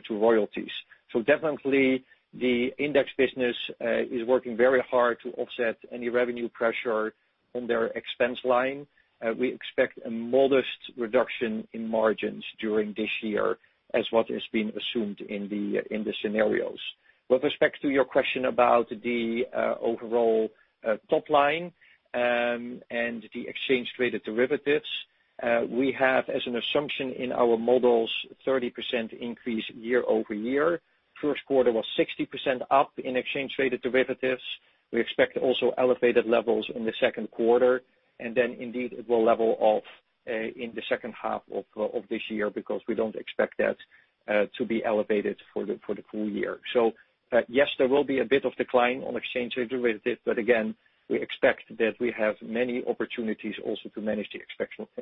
to royalties. Definitely the index business is working very hard to offset any revenue pressure on their expense line. We expect a modest reduction in margins during this year as what has been assumed in the scenarios. With respect to your question about the overall top line and the exchange traded derivatives, we have as an assumption in our models 30% increase year-over-year. Q1 was 60% up in exchange traded derivatives. We expect also elevated levels in the Q2, and then indeed it will level off in the H2 of this year because we don't expect that to be elevated for the full year. Yes, there will be a bit of decline on exchange rate-related, but again, we expect that we have many opportunities also to manage the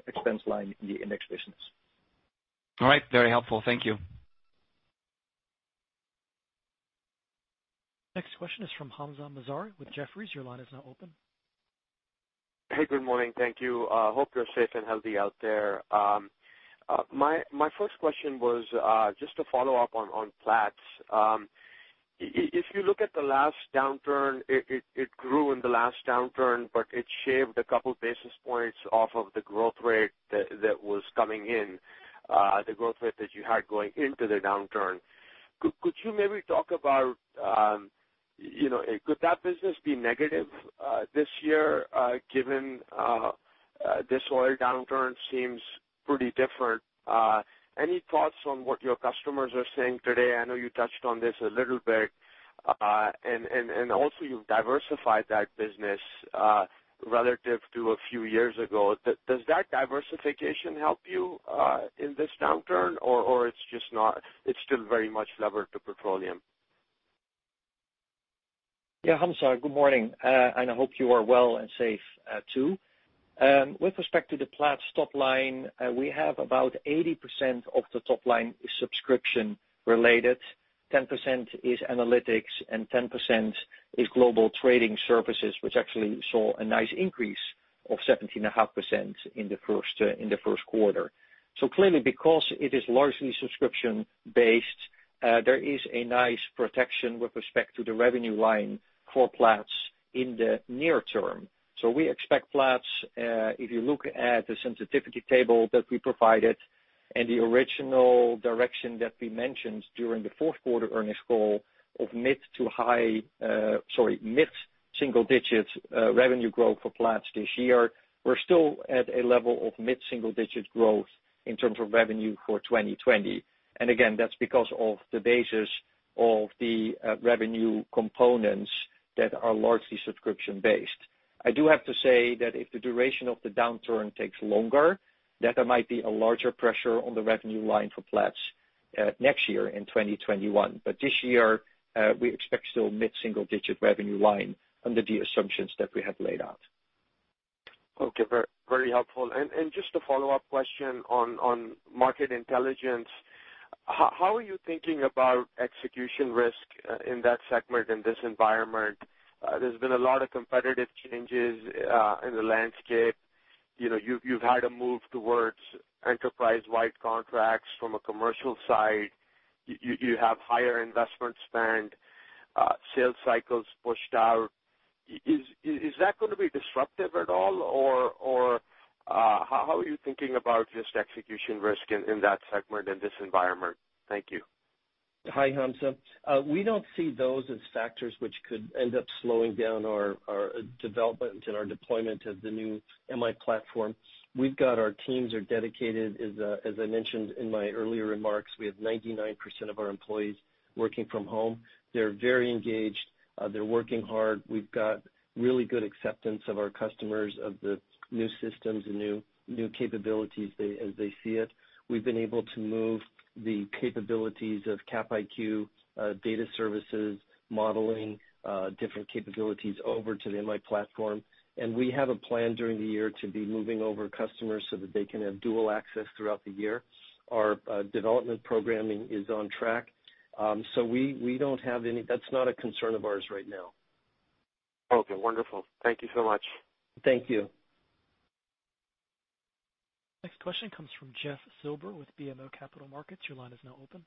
expense line in the index business. All right. Very helpful. Thank you. Next question is from Hamzah Mazari with Jefferies. Your line is now open. Hey, good morning. Thank you. Hope you're safe and healthy out there. My first question was just to follow up on Platts. If you look at the last downturn, it grew in the last downturn, but it shaved a couple basis points off of the growth rate that was coming in, the growth rate that you had going into the downturn. Could you maybe talk about, could that business be negative this year, given this oil downturn seems pretty different? Any thoughts on what your customers are saying today? I know you touched on this a little bit. Also you've diversified that business, relative to a few years ago. Does that diversification help you, in this downturn or it's still very much levered to petroleum? Yeah, Hamzah, good morning, and I hope you are well and safe too. With respect to the Platts top line, we have about 80% of the top line is subscription-related, 10% is analytics, and 10% is Global Trading Services, which actually saw a nice increase of 17.5% in the Q1. Clearly because it is largely subscription-based, there is a nice protection with respect to the revenue line for Platts in the near term. We expect Platts, if you look at the sensitivity table that we provided and the original direction that we mentioned during the Q4 earnings call of mid single digits revenue growth for Platts this year. We're still at a level of mid single digit growth in terms of revenue for 2020. Again, that's because of the basis of the revenue components that are largely subscription-based. I do have to say that if the duration of the downturn takes longer, that there might be a larger pressure on the revenue line for Platts next year in 2021. This year, we expect still mid single digit revenue line under the assumptions that we have laid out. Okay. Very helpful. Just a follow-up question on Market Intelligence. How are you thinking about execution risk in that segment in this environment? There's been a lot of competitive changes in the landscape. You've had a move towards enterprise-wide contracts from a commercial side. You have higher investment spend, sales cycles pushed out. Is that going to be disruptive at all, or how are you thinking about just execution risk in that segment in this environment? Thank you. Hi, Hamzah. We don't see those as factors which could end up slowing down our development and our deployment of the new MI platform. We've got our teams are dedicated, as I mentioned in my earlier remarks, we have 99% of our employees working from home. They're very engaged. They're working hard. We've got really good acceptance of our customers of the new systems and new capabilities as they see it. We've been able to move the capabilities of CapIQ data services, modeling, different capabilities over to the MI platform. We have a plan during the year to be moving over customers so that they can have dual access throughout the year. Our development programming is on track. That's not a concern of ours right now. Okay, wonderful. Thank you so much. Thank you. Next question comes from Jeffrey Silber with BMO Capital Markets. Your line is now open.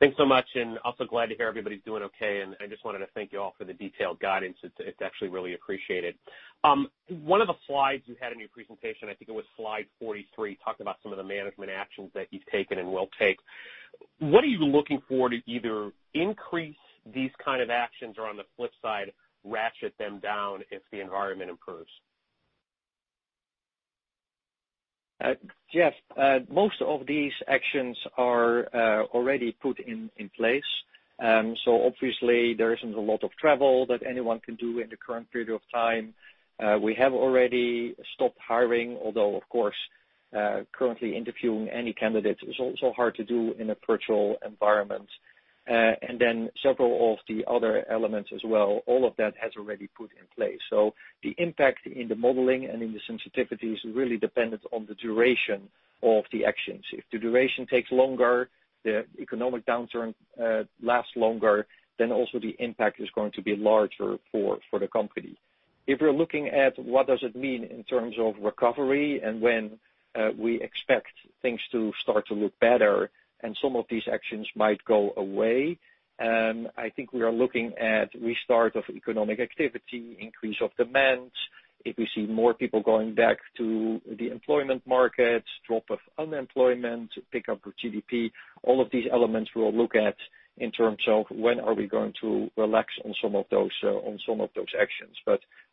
Thanks so much. Also glad to hear everybody's doing okay. I just wanted to thank you all for the detailed guidance. It's actually really appreciated. One of the slides you had in your presentation, I think it was slide 43, talked about some of the management actions that you've taken and will take. What are you looking for to either increase these kind of actions or on the flip side, ratchet them down if the environment improves? Jeff, most of these actions are already put in place. Obviously there isn't a lot of travel that anyone can do in the current period of time. We have already stopped hiring, although of course, currently interviewing any candidates is also hard to do in a virtual environment. Several of the other elements as well, all of that has already put in place. The impact in the modeling and in the sensitivity is really dependent on the duration of the actions. If the duration takes longer, the economic downturn lasts longer, then also the impact is going to be larger for the company. If you're looking at what does it mean in terms of recovery and when we expect things to start to look better and some of these actions might go away, I think we are looking at restart of economic activity, increase of demand. If we see more people going back to the employment markets, drop of unemployment, pick up of GDP, all of these elements we will look at in terms of when are we going to relax on some of those actions.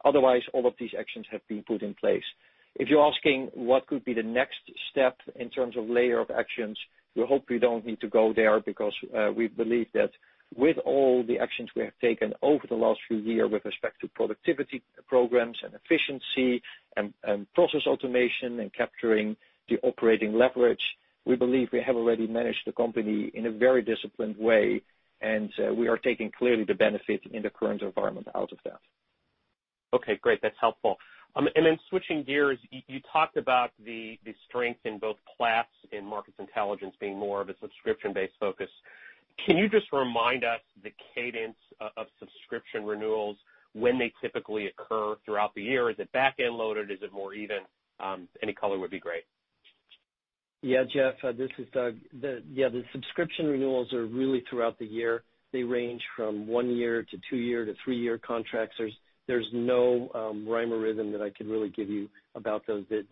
Otherwise, all of these actions have been put in place. If you're asking what could be the next step in terms of layer of actions, we hope we don't need to go there because we believe that with all the actions we have taken over the last few years with respect to productivity programs and efficiency and process automation and capturing the operating leverage, we believe we have already managed the company in a very disciplined way, and we are taking clearly the benefit in the current environment out of that. Okay, great. That's helpful. Then switching gears, you talked about the strength in both Platts and Market Intelligence being more of a subscription-based focus. Can you just remind us the cadence of subscription renewals, when they typically occur throughout the year? Is it back-end loaded? Is it more even? Any color would be great. Yeah, Jeff, this is Doug. Yeah, the subscription renewals are really throughout the year. They range from one year to two-year to three-year contracts. There's no rhyme or rhythm that I could really give you about those. It's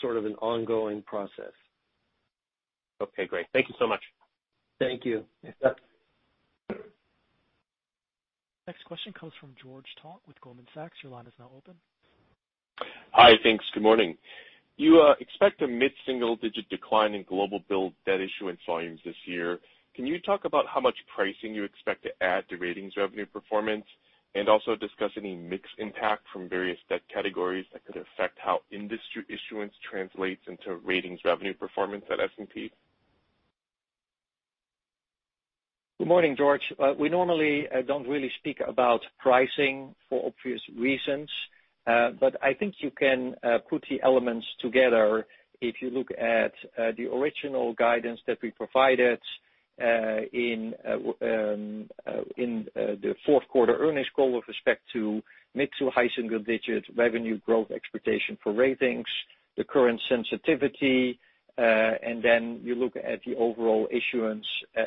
sort of an ongoing process. Okay, great. Thank you so much. Thank you. Yeah. Next question comes from George Tong with Goldman Sachs. Your line is now open. Hi, thanks. Good morning. You expect a mid-single-digit decline in global build debt issuance volumes this year. Can you talk about how much pricing you expect to add to ratings revenue performance and also discuss any mix impact from various debt categories that could affect how industry issuance translates into ratings revenue performance at S&P? Good morning, George. We normally don't really speak about pricing for obvious reasons. I think you can put the elements together if you look at the original guidance that we provided in the Q4 earnings call with respect to mid to high single-digit revenue growth expectation for ratings, the current sensitivity, and then you look at the overall issuance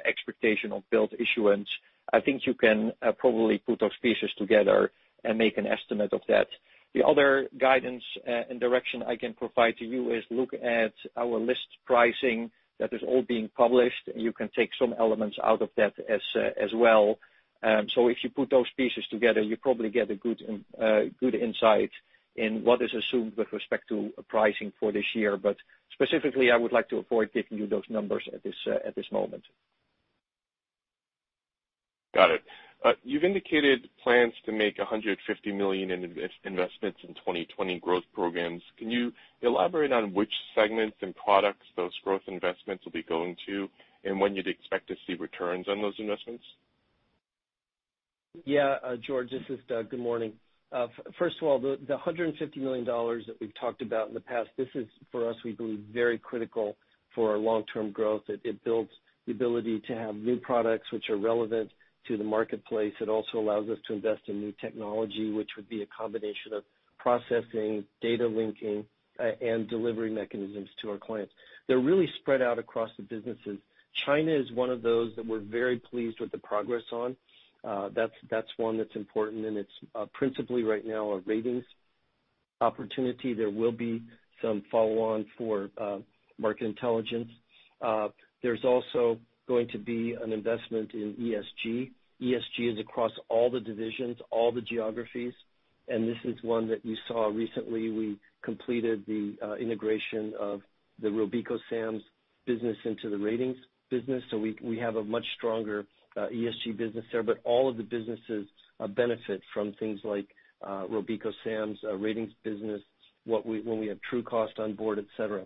expectation of bond issuance. I think you can probably put those pieces together and make an estimate of that. The other guidance and direction I can provide to you is look at our list pricing that is all being published. You can take some elements out of that as well. If you put those pieces together, you probably get a good insight in what is assumed with respect to pricing for this year. Specifically, I would like to avoid giving you those numbers at this moment. Got it. You've indicated plans to make $150 million in investments in 2020 growth programs. Can you elaborate on which segments and products those growth investments will be going to and when you'd expect to see returns on those investments? Yeah. George, this is Doug. Good morning. First of all, the $150 million that we've talked about in the past, this is for us, we believe, very critical for our long-term growth. It builds the ability to have new products which are relevant to the marketplace. It also allows us to invest in new technology, which would be a combination of processing, data linking, and delivery mechanisms to our clients. They're really spread out across the businesses. China is one of those that we're very pleased with the progress on. That's one that's important, and it's principally right now a ratings opportunity. There will be some follow-on for Market Intelligence. There's also going to be an investment in ESG. ESG is across all the divisions, all the geographies, and this is one that you saw recently. We completed the integration of the RobecoSAM's business into the ratings business. We have a much stronger ESG business there. All of the businesses benefit from things like RobecoSAM's ratings business when we have Trucost on board, et cetera.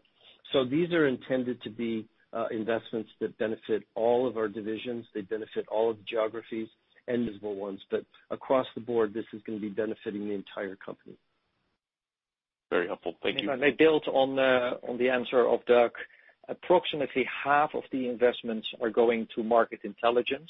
These are intended to be investments that benefit all of our divisions. They benefit all of the geographies and visible ones. Across the board, this is going to be benefiting the entire company. Very helpful. Thank you. May I build on the answer of Doug? Approximately half of the investments are going to Market Intelligence,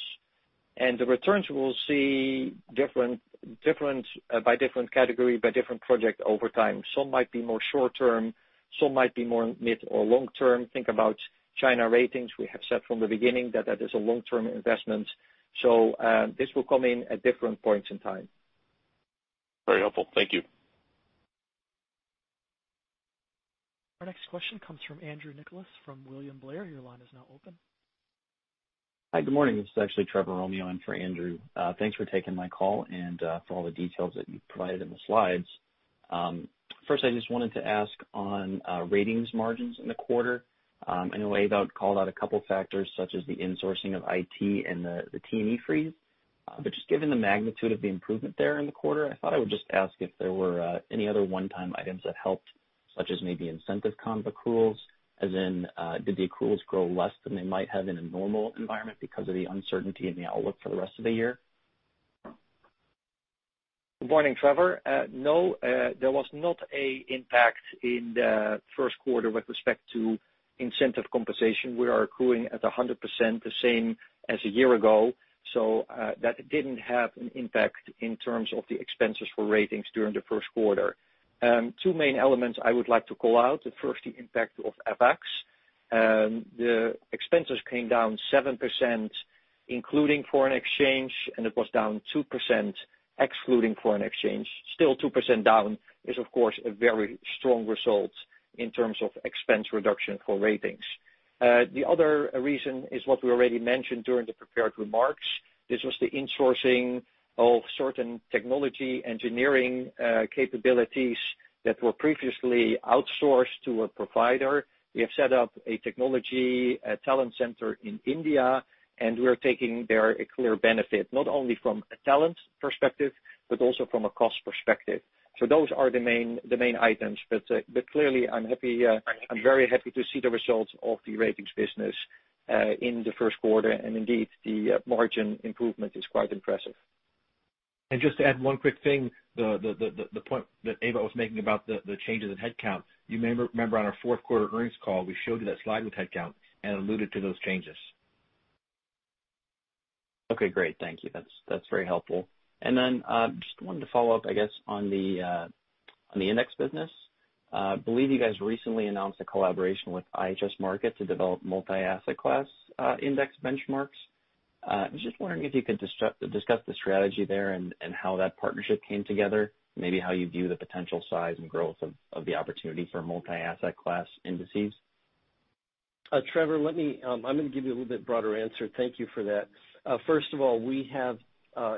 and the returns will see by different category, by different project over time. Some might be more short-term, some might be more mid or long-term. Think about China ratings. We have said from the beginning that that is a long-term investment. This will come in at different points in time. Very helpful. Thank you. Our next question comes from Andrew Nicholas from William Blair. Your line is now open. Hi. Good morning. This is actually Trevor Romeo in for Andrew. Thanks for taking my call and for all the details that you provided in the slides. First, I just wanted to ask on ratings margins in the quarter. I know Ewout had called out a couple factors such as the insourcing of IT and the T&E freeze. Just given the magnitude of the improvement there in the quarter, I thought I would just ask if there were any other one-time items that helped, such as maybe incentive comp accruals, as in, did the accruals grow less than they might have in a normal environment because of the uncertainty in the outlook for the rest of the year? Good morning, Trevor. No, there was not a impact in the Q1 with respect to incentive compensation. We are accruing at 100%, the same as a year ago. That didn't have an impact in terms of the expenses for ratings during the Q1. Two main elements I would like to call out. First, the impact of FX. The expenses came down 7%, including foreign exchange, and it was down 2% excluding foreign exchange. Still 2% down is, of course, a very strong result in terms of expense reduction for ratings. The other reason is what we already mentioned during the prepared remarks. This was the insourcing of certain technology engineering capabilities that were previously outsourced to a provider. We have set up a technology talent center in India, and we're taking there a clear benefit, not only from a talent perspective, but also from a cost perspective. Those are the main items. Clearly, I'm very happy to see the results of the ratings business in the Q1. Indeed, the margin improvement is quite impressive. Just to add one quick thing, the point that Ewout was making about the changes in headcount. You may remember on our Q4 earnings call, we showed you that slide with headcount and alluded to those changes. Okay, great. Thank you. That's very helpful. Just wanted to follow up, I guess, on the index business. I believe you guys recently announced a collaboration with IHS Markit to develop multi-asset class index benchmarks. I was just wondering if you could discuss the strategy there and how that partnership came together, maybe how you view the potential size and growth of the opportunity for multi-asset class indices. Trevor, I'm going to give you a little bit broader answer. Thank you for that. First of all, we have,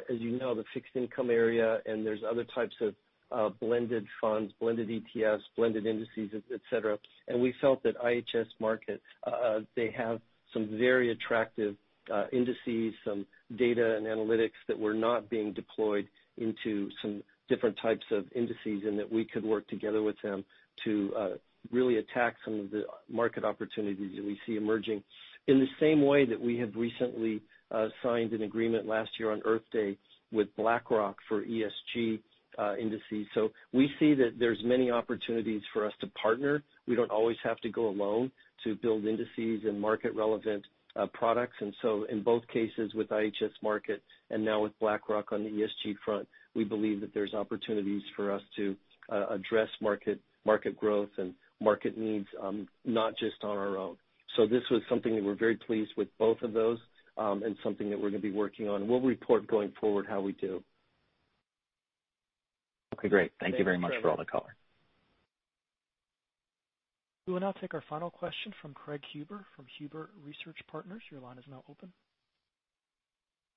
as you know, the fixed income area, and there's other types of blended funds, blended ETFs, blended indices, et cetera. We felt that IHS Markit, they have some very attractive indices, some data and analytics that were not being deployed into some different types of indices, and that we could work together with them to really attack some of the market opportunities that we see emerging in the same way that we have recently signed an agreement last year on Earth Day with BlackRock for ESG indices. We see that there's many opportunities for us to partner. We don't always have to go alone to build indices and market relevant products. In both cases, with IHS Markit and now with BlackRock on the ESG front, we believe that there's opportunities for us to address market growth and market needs, not just on our own. This was something that we're very pleased with both of those, and something that we're going to be working on. We'll report going forward how we do. Okay, great. Thank you very much for all the color. We will now take our final question from Craig Huber from Huber Research Partners. Your line is now open.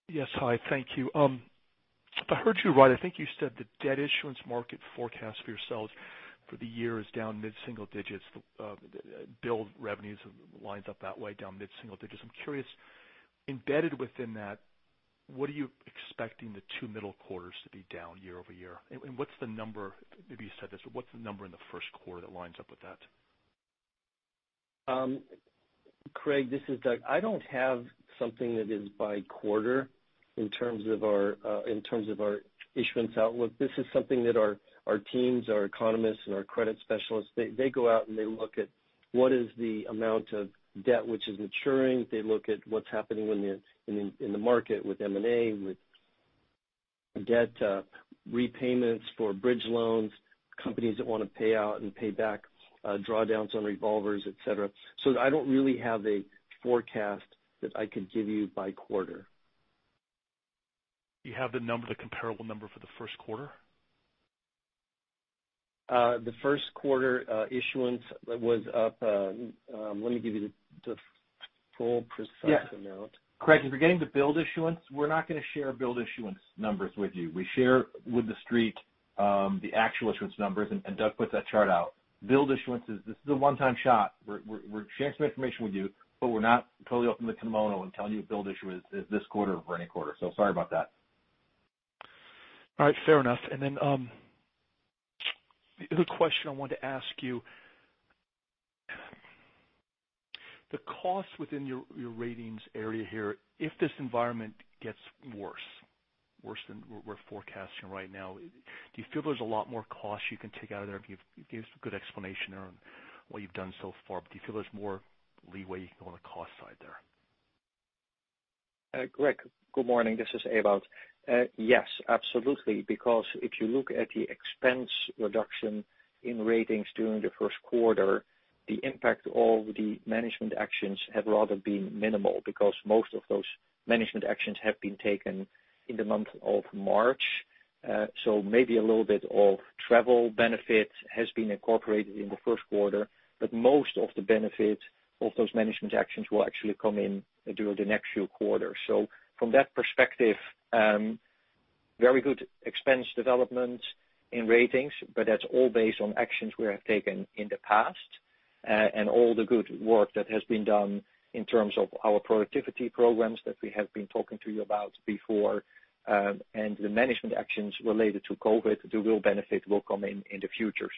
Yes. Hi, thank you. If I heard you right, I think you said the debt issuance market forecast for yourselves for the year is down mid-single digits. The build revenues lines up that way, down mid-single digits. I'm curious, embedded within that, what are you expecting the two middle quarters to be down year-over-year? What's the number, maybe you said this, but what's the number in the Q1 that lines up with that? Craig, this is Doug. I don't have something that is by quarter in terms of our issuance outlook. This is something that our teams, our economists and our credit specialists, they go out and they look at what is the amount of debt which is maturing. They look at what's happening in the market with M&A, with debt repayments for bridge loans, companies that want to pay out and pay back drawdowns on revolvers, et cetera. I don't really have a forecast that I could give you by quarter. Do you have the comparable number for the Q1? The Q1 issuance was up. Let me give you the full precise amount. Yes. Craig, if you're getting the build issuance, we're not going to share build issuance numbers with you. We share with the Street the actual issuance numbers, and Doug puts that chart out. Build issuances, this is a one-time shot. We're sharing some information with you, but we're not totally opening the kimono and telling you what build issuance is this quarter or any quarter. Sorry about that. All right, fair enough. The other question I wanted to ask you. The cost within your ratings area here, if this environment gets worse than we're forecasting right now, do you feel there's a lot more cost you can take out of there? Can you give us a good explanation around what you've done so far? Do you feel there's more leeway on the cost side there? Craig, good morning. This is Ewout. Yes, absolutely. If you look at the expense reduction in Ratings during the Q1, the impact of the management actions has rather been minimal because most of those management actions have been taken in the month of March. Maybe a little bit of travel benefit has been incorporated in the Q1, but most of the benefit of those management actions will actually come in during the next few quarters. From that perspective, very good expense development in Ratings, but that's all based on actions we have taken in the past, and all the good work that has been done in terms of our productivity programs that we have been talking to you about before, and the management actions related to COVID, the real benefit will come in in the future.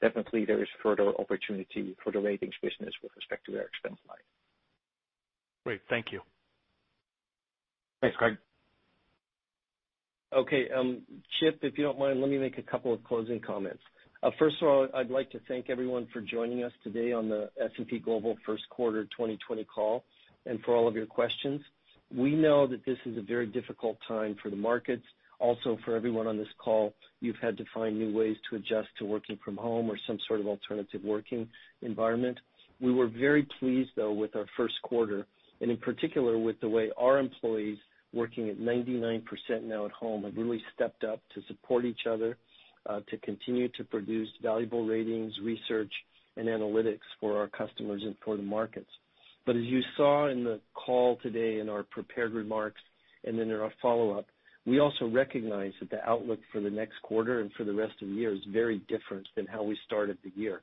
Definitely there is further opportunity for the ratings business with respect to their expense line. Great. Thank you. Thanks, Craig. Okay. Chip, if you don't mind, let me make a couple of closing comments. First of all, I'd like to thank everyone for joining us today on the S&P Global Q1 2020 call, and for all of your questions. We know that this is a very difficult time for the markets. For everyone on this call, you've had to find new ways to adjust to working from home or some sort of alternative working environment. We were very pleased, though, with our Q1 and in particular with the way our employees working at 99% now at home, have really stepped up to support each other to continue to produce valuable ratings, research, and analytics for our customers and for the markets. As you saw in the call today in our prepared remarks and then in our follow-up, we also recognize that the outlook for the next quarter and for the rest of the year is very different than how we started the year.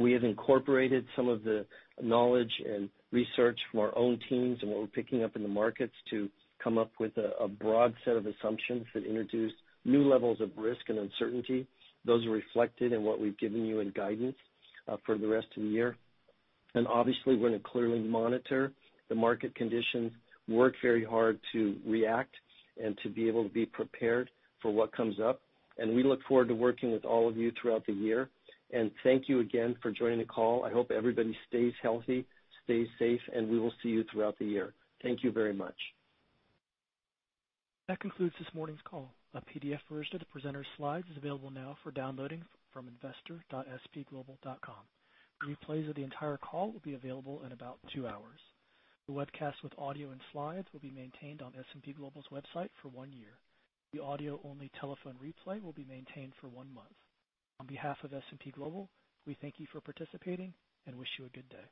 We have incorporated some of the knowledge and research from our own teams and what we're picking up in the markets to come up with a broad set of assumptions that introduce new levels of risk and uncertainty. Those are reflected in what we've given you in guidance for the rest of the year. Obviously, we're going to clearly monitor the market conditions, work very hard to react, and to be able to be prepared for what comes up. We look forward to working with all of you throughout the year. Thank you again for joining the call. I hope everybody stays healthy, stays safe, and we will see you throughout the year. Thank you very much. That concludes this morning's call. A PDF version of the presenters' slides is available now for downloading from investor.spglobal.com. Replays of the entire call will be available in about two hours. The webcast with audio and slides will be maintained on S&P Global's website for one year. The audio-only telephone replay will be maintained for one month. On behalf of S&P Global, we thank you for participating and wish you a good day.